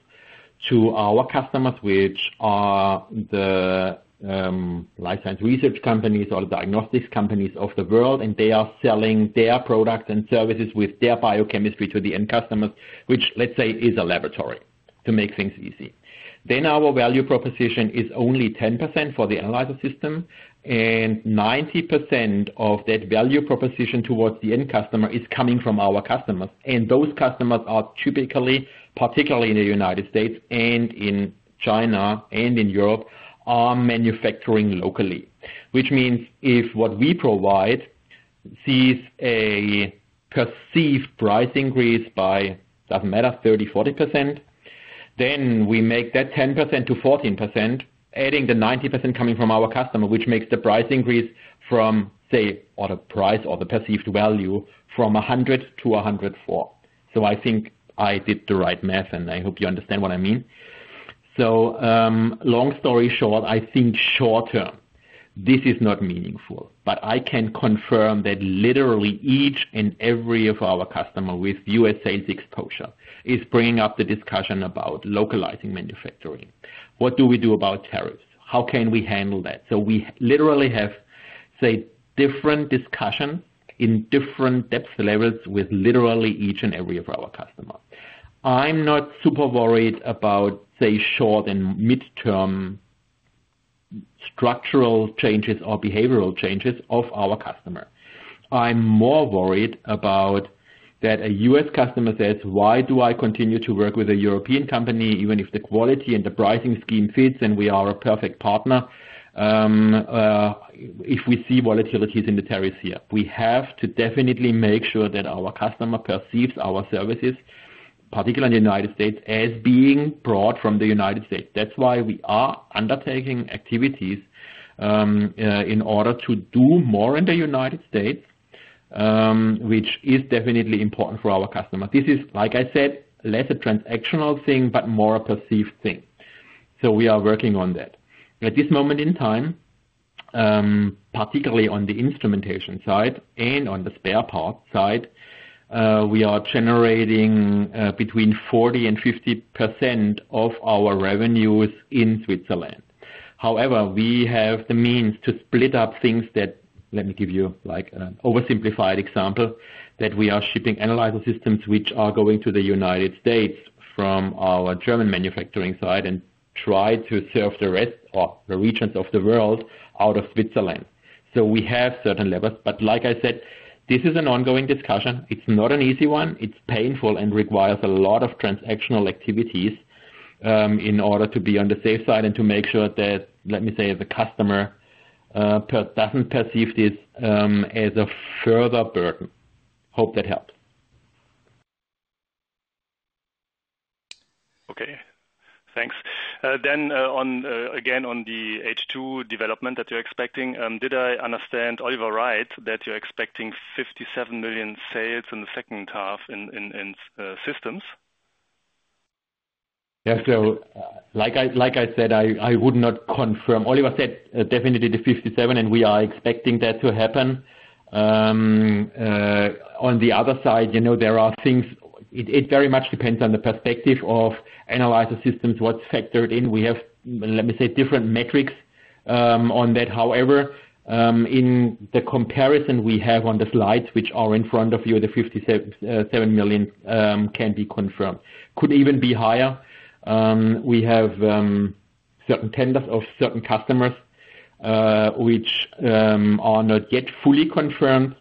to our customers, which are the life science research companies or the diagnostics companies of the world, and they are selling their products and services with their biochemistry to the end customers, which, let's say, is a laboratory, to make things easy. Our value proposition is only 10% for the Analyzer System, and 90% of that value proposition towards the end customer is coming from our customers. Those customers are typically, particularly in the United States and in China and in Europe, manufacturing locally, which means if what we provide sees a perceived price increase by, it doesn't matter, 30%, 40%, then we make that 10%-14%, adding the 90% coming from our customer, which makes the price increase from, say, or the price or the perceived value from 100-104. I think I did the right math, and I hope you understand what I mean. Long story short, I think short term, this is not meaningful. I can confirm that literally each and every of our customers with U.S. sales exposure is bringing up the discussion about localizing manufacturing. What do we do about tariffs? How can we handle that? We literally have different discussions in different depth levels with literally each and every of our customers. I'm not super worried about short and mid-term structural changes or behavioral changes of our customer. I'm more worried about that a U.S. customer says, "Why do I continue to work with a European company, even if the quality and the pricing scheme fits and we are a perfect partner?" If we see volatilities in the tariffs here, we have to definitely make sure that our customer perceives our services, particularly in the United States, as being brought from the United States. That's why we are undertaking activities in order to do more in the United States, which is definitely important for our customer. This is, like I said, less a transactional thing, but more a perceived thing. We are working on that. At this moment in time, particularly on the instrumentation side and on the spare parts side, we are generating between 40% and 50% of our revenues in Switzerland. However, we have the means to split up things that, let me give you like an oversimplified example, that we are shipping Analyzer Systems which are going to the United States from our German manufacturing side and try to serve the rest or the regions of the world out of Switzerland. We have certain levels. Like I said, this is an ongoing discussion. It's not an easy one. It's painful and requires a lot of transactional activities in order to be on the safe side and to make sure that, let me say, the customer doesn't perceive this as a further burden. Hope that helped. Okay, thanks. Again on the H2 development that you're expecting, did I understand Oliver right that you're expecting 57 million sales in the second half in Analyzer Systems? Yeah, like I said, I would not confirm. Oliver said definitely the 57, and we are expecting that to happen. On the other side, you know there are things, it very much depends on the perspective of Analyzer Systems, what's factored in. We have, let me say, different metrics on that. However, in the comparison we have on the slides, which are in front of you, the 57 million can be confirmed. Could even be higher. We have certain tenders of certain customers which are not yet fully confirmed.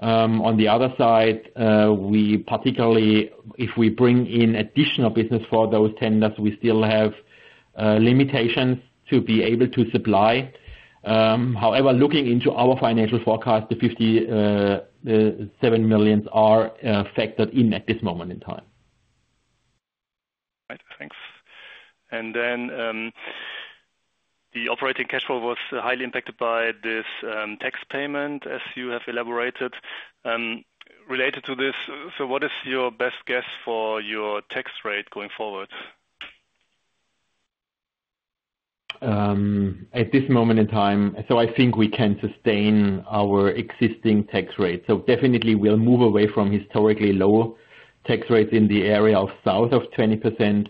On the other side, particularly if we bring in additional business for those tenders, we still have limitations to be able to supply. However, looking into our financial forecast, the 57 million are factored in at this moment in time. Right, thanks. The operating cash flow was highly impacted by this tax payment, as you have elaborated related to this. What is your best guess for your tax rate going forward? At this moment in time, I think we can sustain our existing tax rate. We will definitely move away from historically low tax rates in the area of south of 20%.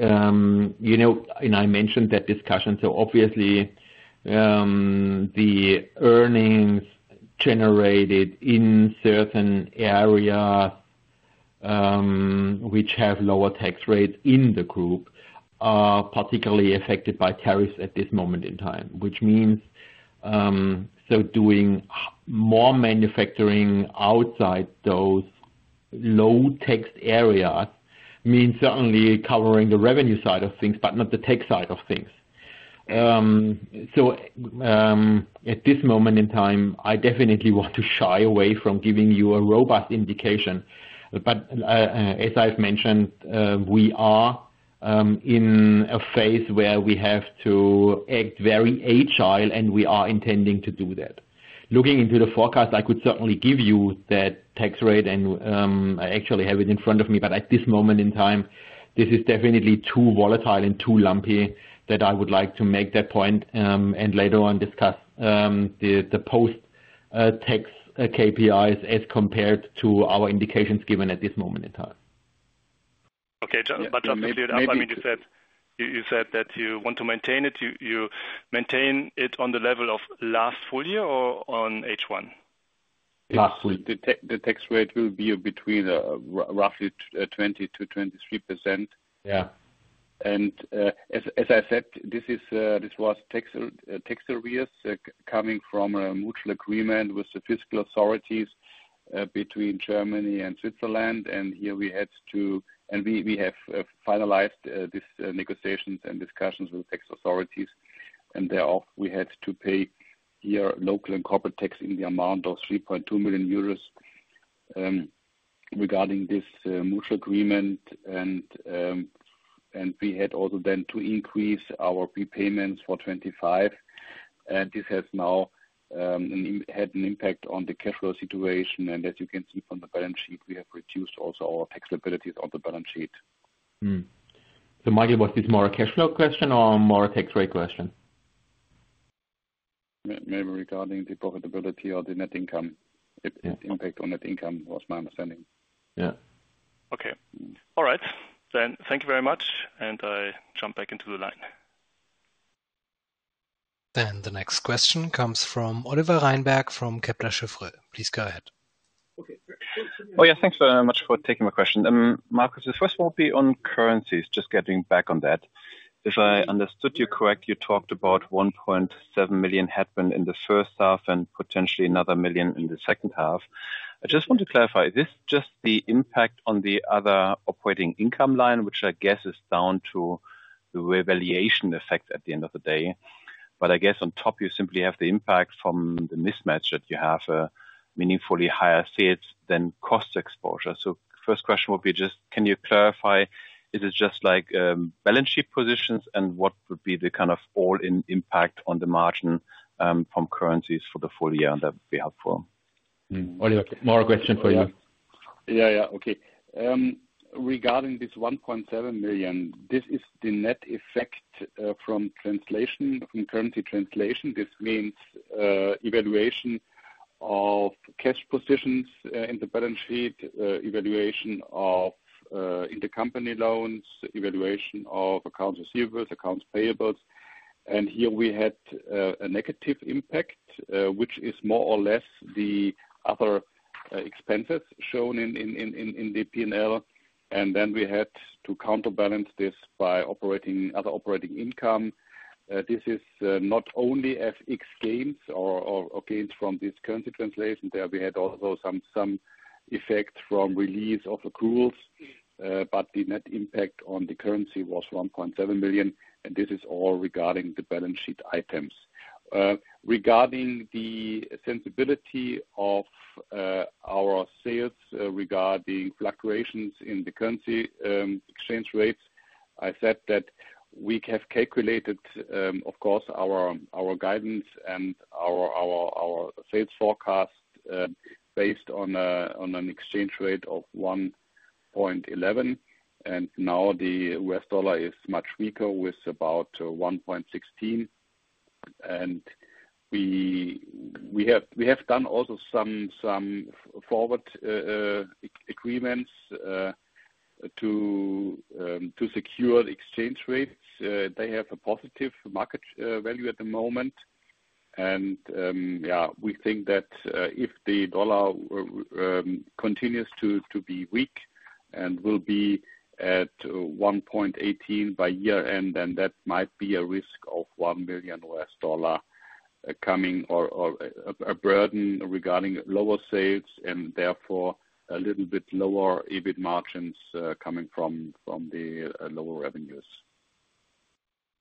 I mentioned that discussion. Obviously, the earnings generated in certain areas which have lower tax rates in the group are particularly affected by tariffs at this moment in time, which means doing more manufacturing outside those low tax areas means certainly covering the revenue side of things, but not the tax side of things. At this moment in time, I definitely want to shy away from giving you a robust indication. As I've mentioned, we are in a phase where we have to act very agile, and we are intending to do that. Looking into the forecast, I could certainly give you that tax rate, and I actually have it in front of me. At this moment in time, this is definitely too volatile and too lumpy. I would like to make that point and later on discuss the post-tax KPIs as compared to our indications given at this moment in time. Okay, you said that you want to maintain it. You maintain it on the level of last full year or on H1? Last full year. The tax rate will be between roughly 20%- 23%. As I said, this was tax arrears coming from a mutual agreement with the fiscal authorities between Germany and Switzerland. Here we had to, and we have finalized these negotiations and discussions with the tax authorities. Therefore, we had to pay here local and corporate tax in the amount of 3.2 million euros regarding this mutual agreement. We had also then to increase our prepayments for 2025. This has now had an impact on the cash flow situation. As you can see from the balance sheet, we have reduced also our tax liabilities on the balance sheet. Michael, was this more a cash flow question or more a tax rate question? Maybe regarding the profitability or the net income, its impact on net income was my understanding. Okay. All right. Thank you very much. I jump back into the line. The next question comes from Oliver Reinberg from Kepler Cheuvreux. Please go ahead. Oh, yeah, thanks very much for taking my question. Marcus, the first one will be on currencies, just getting back on that. If I understood you correctly, you talked about $1.7 million happened in the first half and potentially another $1 million in the second half. I just want to clarify, is this just the impact on the other operating income line, which I guess is down to the revaluation effect at the end of the day? I guess on top, you simply have the impact from the mismatch that you have meaningfully higher sales than cost exposure. The first question would be just, can you clarify, is it just like balance sheet positions? What would be the kind of all-in impact on the margin from currencies for the full year? That would be helpful. Oliver, more question for you. Okay. Regarding this $1.7 million, this is the net effect from currency translation. This means evaluation of cash positions in the balance sheet, evaluation of intercompany loans, evaluation of accounts receivable, accounts payable. Here we had a negative impact, which is more or less the other expenses shown in the P&L. We had to counterbalance this by other operating income. This is not only FX gains or gains from this currency translation. There we had also some effect from release of accruals, but the net impact on the currency was $1.7 million. This is all regarding the balance sheet items. Regarding the sensibility of our sales regarding fluctuations in the currency exchange rates, I said that we have calculated, of course, our guidance and our sales forecast based on an exchange rate of 1.11. Now the U.S. dollar is much weaker with about $1.16. We have done also some forward agreements to secure the exchange rates. They have a positive market value at the moment. We think that if the dollar continues to be weak and will be at $1.18 by year-end, that might be a risk of $1 million coming or a burden regarding lower sales and therefore a little bit lower EBIT margins coming from the lower revenues.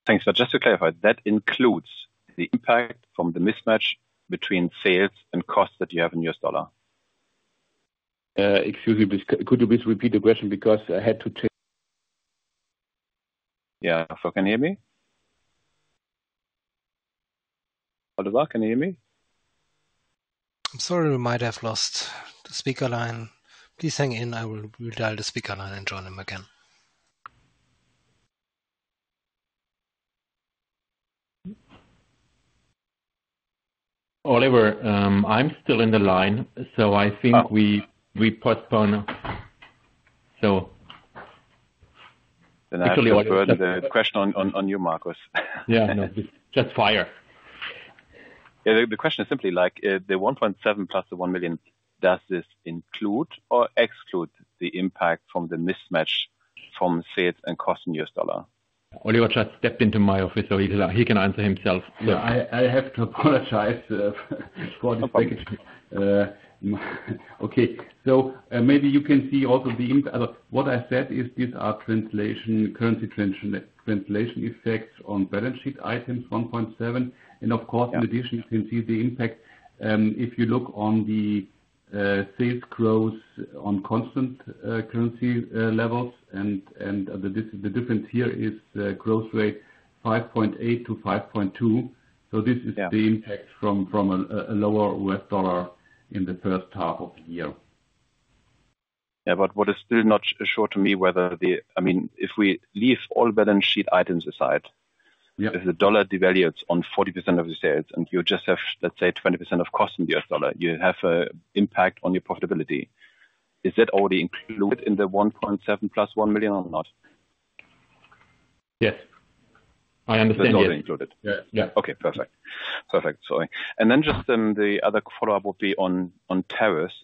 Thanks. Just to clarify, that includes the impact from the mismatch between sales and costs that you have in U.S. dollar? Excuse me, please. Could you please repeat the question? I had to change. Yeah, folks, can you hear me? Oliver, can you hear me? I'm sorry, we might have lost the speaker line. Please hang in. We'll dial the speaker line and join him again. Oliver, I'm still in the line. I think we postpone. Actually, Oliver, the question on you, Marcus. Yeah, just fire. The question is simply like the $1.7 million plus the $1 million, does this include or exclude the impact from the mismatch from sales and cost in U.S. dollar? Oliver just stepped into my office, so he can answer himself. I have to apologize for the package. Maybe you can see also the impact. What I said is these are currency translation effects on balance sheet items, $1.7 million. Of course, in addition, you can see the impact if you look on the sales growth on constant currency levels. The difference here is the growth rate, 5.8%-5.2%. This is the impact from a lower U.S. dollar in the first half of the year. What is still not sure to me is whether, if we leave all balance sheet items aside, if the dollar devalues on 40% of the sales and you just have, let's say, 20% of cost in the U.S. dollar, you have an impact on your profitability. Is that already included in the $1.7 million+$1 million or not? Yes, I understand that. It's already included? Yeah, yeah. Okay, perfect. Sorry. The other follow-up would be on tariffs.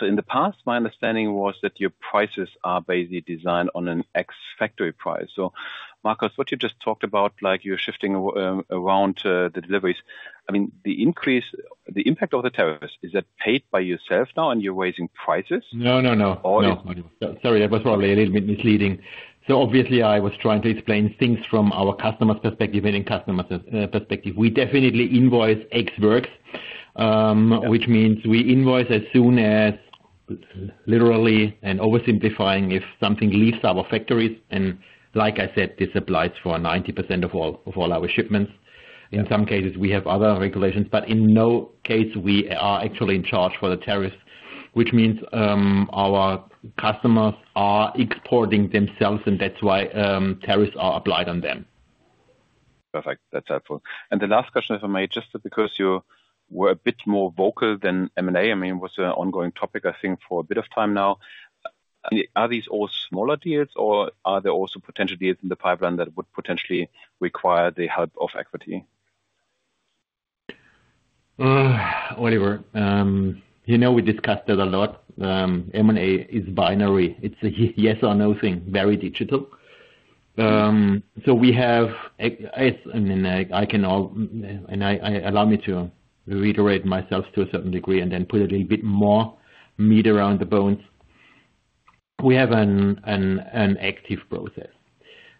In the past, my understanding was that your prices are basically designed on an ex-factory price. Marcus, what you just talked about, like you're shifting around the deliveries, I mean, the increase, the impact of the tariffs, is that paid by yourself now and you're raising prices? No, no, no. Oh, no. Sorry, that was probably a little bit misleading. I was trying to explain things from our customer's perspective and then customer's perspective. We definitely invoice ex works, which means we invoice as soon as, literally, and oversimplifying, if something leaves our factories. Like I said, this applies for 90% of all our shipments. In some cases, we have other regulations, but in no case, we are actually in charge for the tariffs, which means our customers are exporting themselves, and that's why tariffs are applied on them. Perfect. That's helpful. The last question if I may, just because you were a bit more vocal than M&A, I mean, it was an ongoing topic, I think, for a bit of time now. Are these all smaller deals, or are there also potential deals in the pipeline that would potentially require the help of equity? Oliver, you know we discussed it a lot. M&A is binary. It's a yes or no thing, very digital. We have, I mean, I can, and allow me to reiterate myself to a certain degree and then put a little bit more meat around the bones. We have an active process.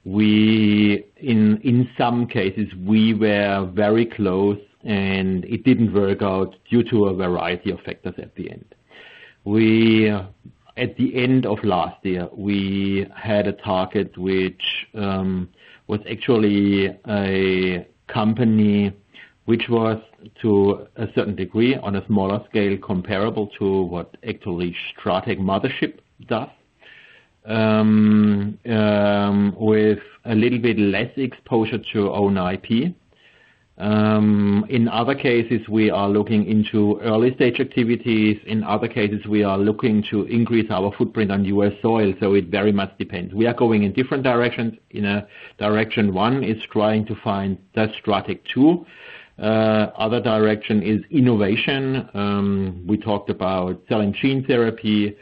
In some cases, we were very close, and it didn't work out due to a variety of factors at the end. At the end of last year, we had a target which was actually a company which was, to a certain degree, on a smaller scale comparable to what actually Stratec Mothership does, with a little bit less exposure to own IP. In other cases, we are looking into early-stage activities. In other cases, we are looking to increase our footprint on U.S. soil. It very much depends. We are going in different directions. In a direction, one is trying to find that Stratec too. Another direction is innovation. We talked about cell and gene therapy.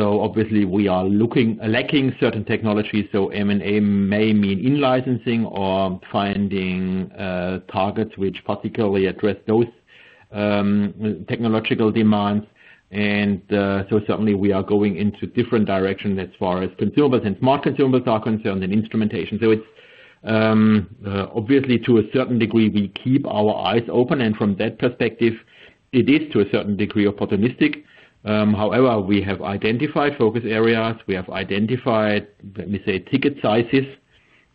Obviously, we are lacking certain technologies. M&A may mean in-licensing or finding targets which particularly address those technological demands. Certainly, we are going into different directions as far as consumables and smart consumables are concerned and instrumentation. Obviously, to a certain degree, we keep our eyes open. From that perspective, it is to a certain degree opportunistic. However, we have identified focus areas. We have identified, let me say, ticket sizes,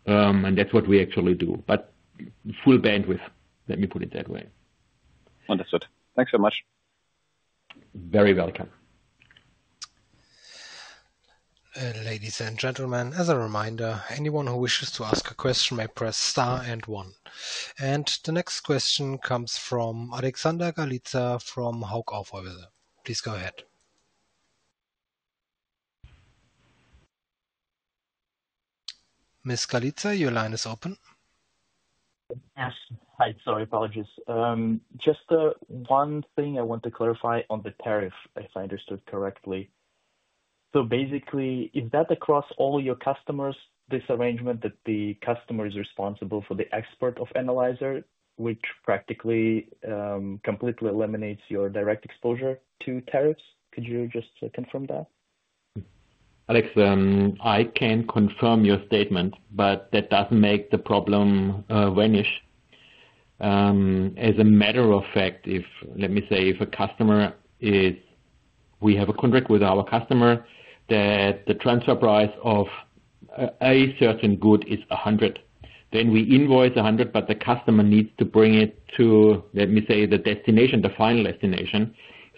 and that's what we actually do. Full bandwidth, let me put it that way. Understood. Thanks very much. Very welcome. Ladies and gentlemen, as a reminder, anyone who wishes to ask a question may press star and one. The next question comes from Alexander Galitsa from Hauck Aufhäuser. Please go ahead. Ms. Galitsa, your line is open. Yes, hi, apologies. Just the one thing I want to clarify on the tariff, if I understood correctly. Basically, is that across all your customers, this arrangement that the customer is responsible for the export of Analyzer, which practically completely eliminates your direct exposure to tariffs? Could you just confirm that? Alex, I can confirm your statement, but that doesn't make the problem vanish. As a matter of fact, if a customer is, we have a contract with our customer that the transfer price of a certain good is 100, then we invoice 100, but the customer needs to bring it to the destination, the final destination.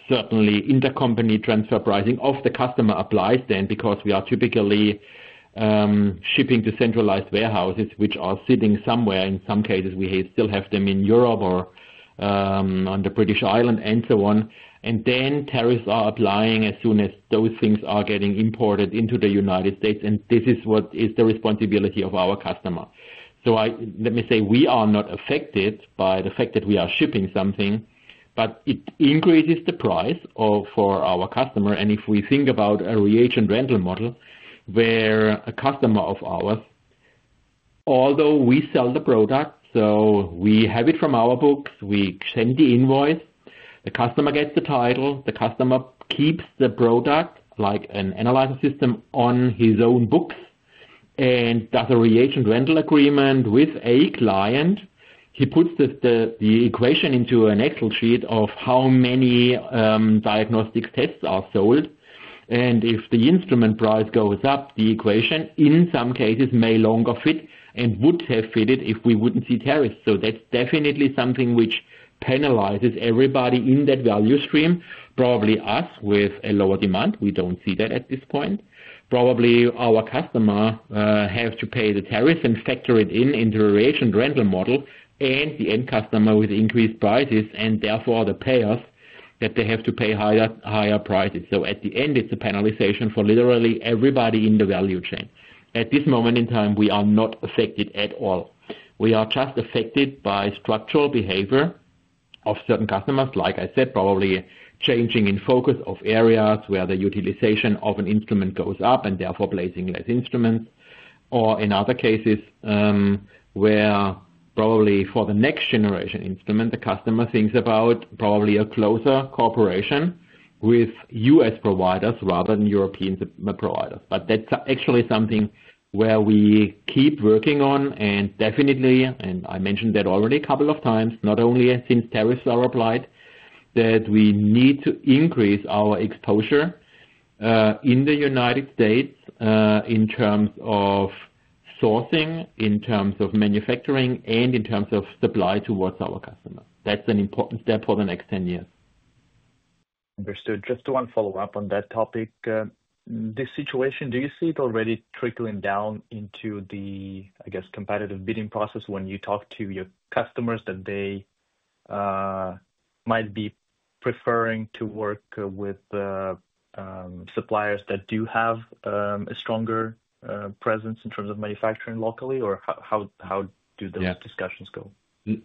Certainly, intercompany transfer pricing of the customer applies then because we are typically shipping to centralized warehouses, which are sitting somewhere. In some cases, we still have them in Europe or on the British Island and so on. Tariffs are applying as soon as those things are getting imported into the United States. This is what is the responsibility of our customer. We are not affected by the fact that we are shipping something, but it increases the price for our customer. If we think about a reagent rental model where a customer of ours, although we sell the product, so we have it from our books, we send the invoice, the customer gets the title, the customer keeps the product like an Analyzer System on his own books and does a reagent rental agreement with a client. He puts the equation into an Excel sheet of how many diagnostic tests are sold. If the instrument price goes up, the equation in some cases may longer fit and would have fitted if we wouldn't see tariffs. That is definitely something which penalizes everybody in that value stream. Probably us with a lower demand. We don't see that at this point. Probably our customer has to pay the tariffs and factor it in into a reagent rental model, and the end customer with increased prices and therefore the payers that they have to pay higher prices. At the end, it's a penalization for literally everybody in the value chain. At this moment in time, we are not affected at all. We are just affected by structural behavior of certain customers, like I said, probably changing in focus of areas where the utilization of an instrument goes up and therefore placing less instruments. In other cases, where probably for the next generation instrument, the customer thinks about probably a closer cooperation with U.S. providers rather than European providers. That is actually something where we keep working on. I mentioned that already a couple of times, not only since tariffs are applied, that we need to increase our exposure in the United States in terms of sourcing, in terms of manufacturing, and in terms of supply towards our customers. That is an important step for the next 10 years. Understood. Just one follow-up on that topic. This situation, do you see it already trickling down into the, I guess, competitive bidding process when you talk to your customers that they might be preferring to work with suppliers that do have a stronger presence in terms of manufacturing locally, or how do the discussions go?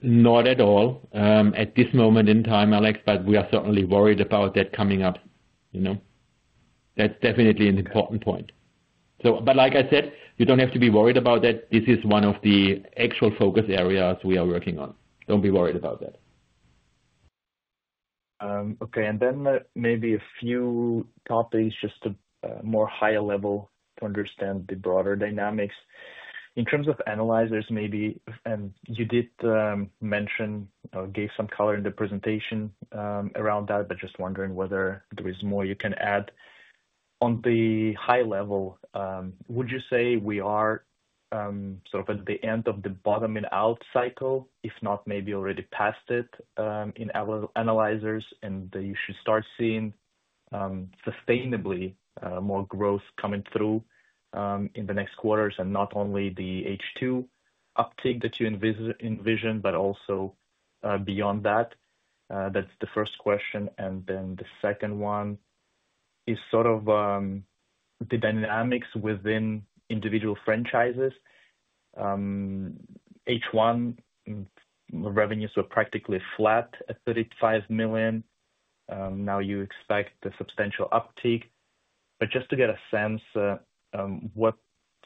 Not at all at this moment in time, Alex, we are certainly worried about that coming up. That's definitely an important point. Like I said, you don't have to be worried about that. This is one of the actual focus areas we are working on. Don't be worried about that. Okay. Maybe a few topics, just a more higher level to understand the broader dynamics. In terms of Analyzers, maybe, and you did mention or gave some color in the presentation around that, just wondering whether there is more you can add on the high level. Would you say we are sort of at the end of the bottoming out cycle, if not maybe already past it in our Analyzers, and you should start seeing sustainably more growth coming through? For the next quarters, not only the H2 uptake that you envision, but also beyond that. That's the first question. The second one is the dynamics within individual franchises. H1 revenues were practically flat at 35 million. Now you expect a substantial uptake. Just to get a sense, what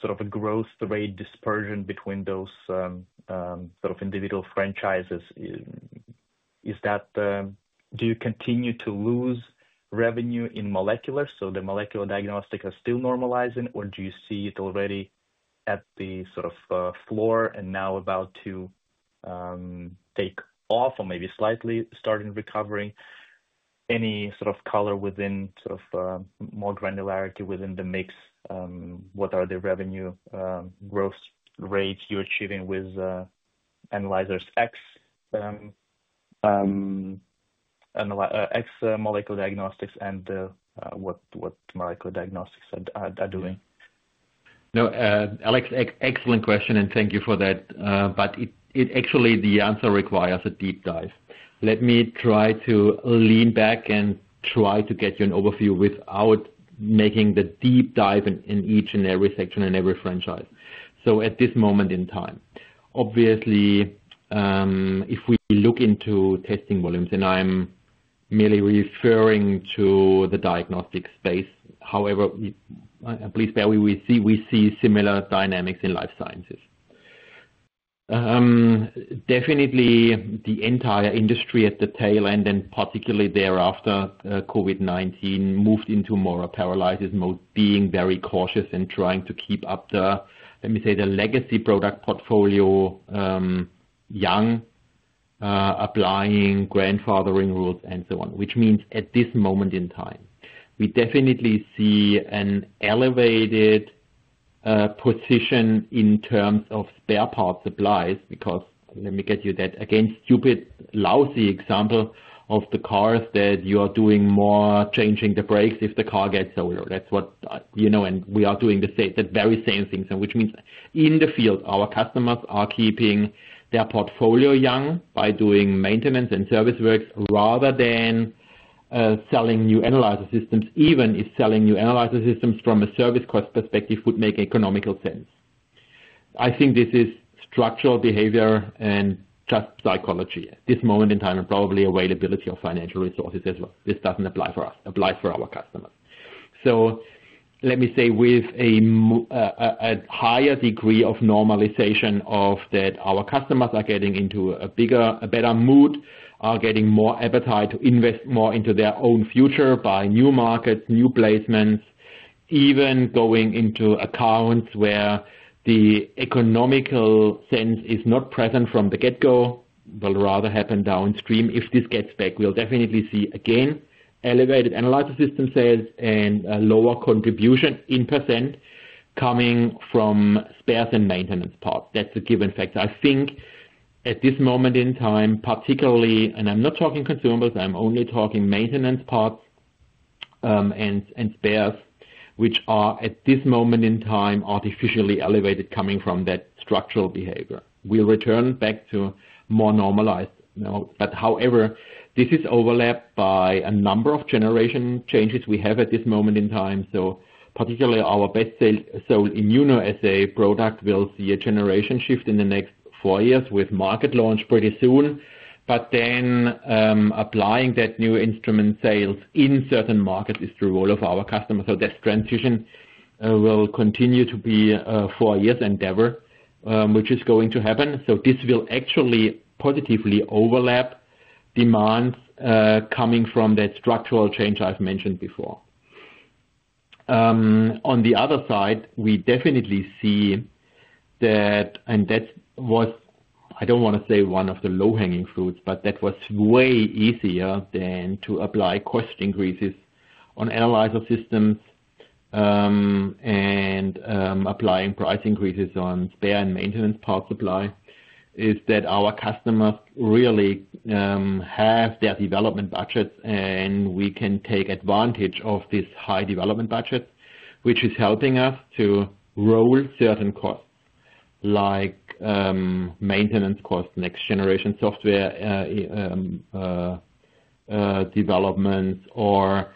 sort of a growth rate dispersion between those individual franchises? Do you continue to lose revenue in molecular? So the molecular diagnostics are still normalizing, or do you see it already at the floor and now about to take off or maybe slightly starting recovering? Any color with more granularity within the mix? What are the revenue growth rates you're achieving with Analyzer, ex-molecular diagnostics, and what molecular diagnostics are doing? No, Alex, excellent question and thank you for that. Actually, the answer requires a deep dive. Let me try to lean back and try to get you an overview without making the deep dive in each and every section and every franchise. At this moment in time, obviously, if we look into testing volumes, and I'm merely referring to the diagnostic space, however, please bear with me, we see similar dynamics in life sciences. Definitely, the entire industry at the tail end and particularly thereafter, COVID-19 moved into more of a paralysis mode, being very cautious and trying to keep up the, let me say, the legacy product portfolio, young, applying grandfathering rules and so on, which means at this moment in time, we definitely see an elevated position in terms of spare parts supplies because, let me get you that, again, stupid, lousy example of the cars that you are doing more changing the brakes if the car gets older. That's what, you know, and we are doing the same, the very same things, which means in the field, our customers are keeping their portfolio young by doing maintenance and service works rather than selling new Analyzer Systems, even if selling new Analyzer Systems from a service cost perspective would make economical sense. I think this is structural behavior and just psychology at this moment in time and probably availability of financial resources as well. This doesn't apply for us, applies for our customers. Let me say with a higher degree of normalization, our customers are getting into a better mood, are getting more appetite to invest more into their own future, buy new markets, new placements, even going into accounts where the economical sense is not present from the get-go, but rather happen downstream. If this gets back, we'll definitely see again elevated Analyzer System sales and a lower contribution in % coming from spares and maintenance parts. That's a given factor. I think at this moment in time, particularly, and I'm not talking consumables, I'm only talking maintenance parts and spares, which are at this moment in time artificially elevated coming from that structural behavior. We'll return back to more normalized. However, this is overlapped by a number of generation changes we have at this moment in time. Particularly, our best selling immunoassay product will see a generation shift in the next four years with market launch pretty soon. Applying that new instrument sales in certain markets is the role of our customers. That transition will continue to be a four-year endeavor, which is going to happen. This will actually positively overlap demands coming from that structural change I've mentioned before. On the other side, we definitely see that, and I don't want to say one of the low-hanging fruits, but that was way easier than to apply cost increases on Analyzer Systems, and applying price increases on service parts and consumables supply, is that our customers really have their development budgets, and we can take advantage of this high development budget, which is helping us to roll certain costs like maintenance costs, next-generation software developments, or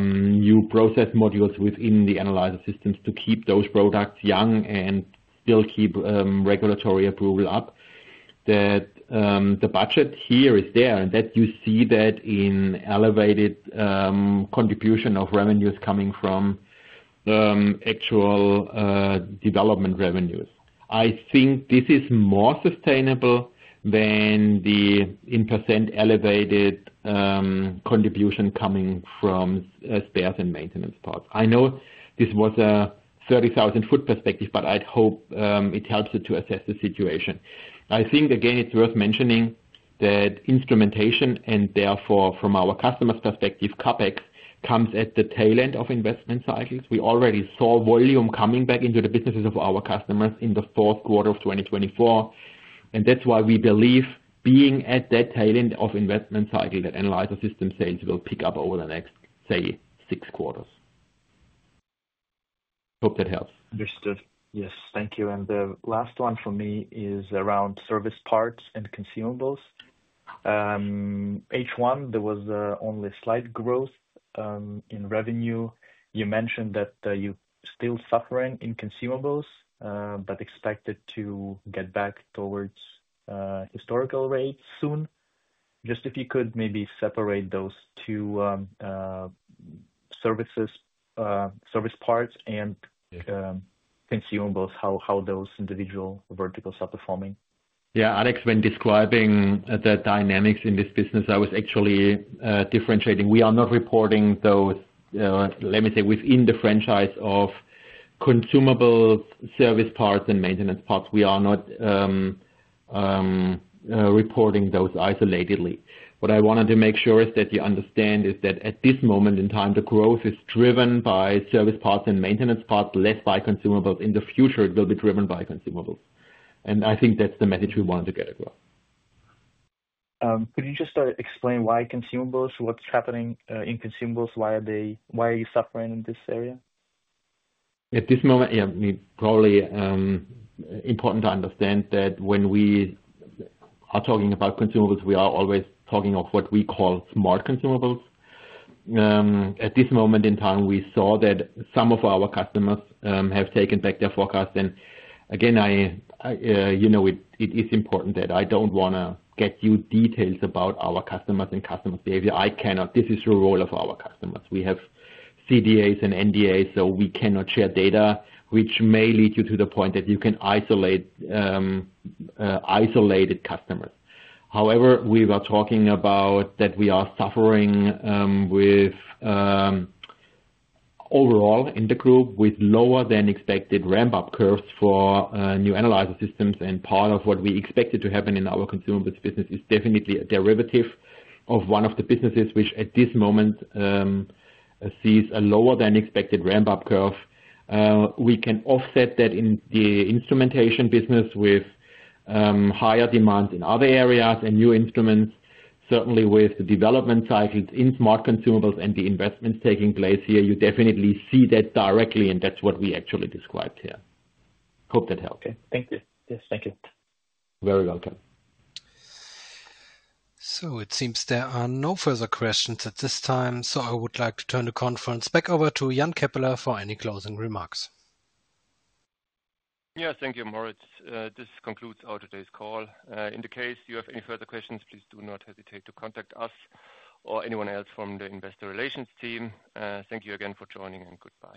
new process modules within the Analyzer Systems to keep those products young and still keep regulatory approval up. The budget here is there, and you see that in elevated contribution of revenues coming from actual development revenues. I think this is more sustainable than the in % elevated contribution coming from service parts and consumables. I know this was a 30,000-foot perspective, but I'd hope it helps you to assess the situation. I think, again, it's worth mentioning that instrumentation and therefore from our customers' perspective, CapEx comes at the tail end of investment cycles. We already saw volume coming back into the businesses of our customers in the fourth quarter of 2024. That's why we believe being at that tail end of investment cycle that Analyzer Systems sales will pick up over the next, say, six quarters. Hope that helps. Yes, thank you. The last one for me is around service parts and consumables. H1, there was only slight growth in revenue. You mentioned that you're still suffering in consumables, but expected to get back towards historical rates soon. If you could maybe separate those two, service parts and consumables, how those individual verticals are performing. Yeah, Alex, when describing the dynamics in this business, I was actually differentiating. We are not reporting those, let me say, within the franchise of consumables, service parts, and maintenance parts. We are not reporting those isolatedly. What I wanted to make sure is that you understand is that at this moment in time, the growth is driven by service parts and maintenance parts, less by consumables. In the future, it will be driven by consumables. I think that's the message we wanted to get as well. Could you just explain why consumables, what's happening in consumables? Why are you suffering in this area? At this moment, yeah, I mean, probably important to understand that when we are talking about consumables, we are always talking of what we call smart consumables. At this moment in time, we saw that some of our customers have taken back their forecasts. Again, I, you know, it is important that I don't want to get you details about our customers and customers' behavior. I cannot. This is the role of our customers. We have CDAs and NDAs, so we cannot share data, which may lead you to the point that you can isolate isolated customers. However, we were talking about that we are suffering, overall in the group with lower than expected ramp-up curves for new Analyzer Systems. Part of what we expected to happen in our consumables business is definitely a derivative of one of the businesses which at this moment sees a lower than expected ramp-up curve. We can offset that in the instrumentation business with higher demands in other areas and new instruments. Certainly, with the development cycles in smart consumables and the investments taking place here, you definitely see that directly, and that's what we actually described here. Hope that helps. Okay. Thank you. Yes, thank you. Very welcome. There are no further questions at this time. I would like to turn the conference back over to Jan Keppeler for any closing remarks. Thank you, Moritz. This concludes our call today. In case you have any further questions, please do not hesitate to contact us or anyone else from the Investor Relations team. Thank you again for joining, and goodbye.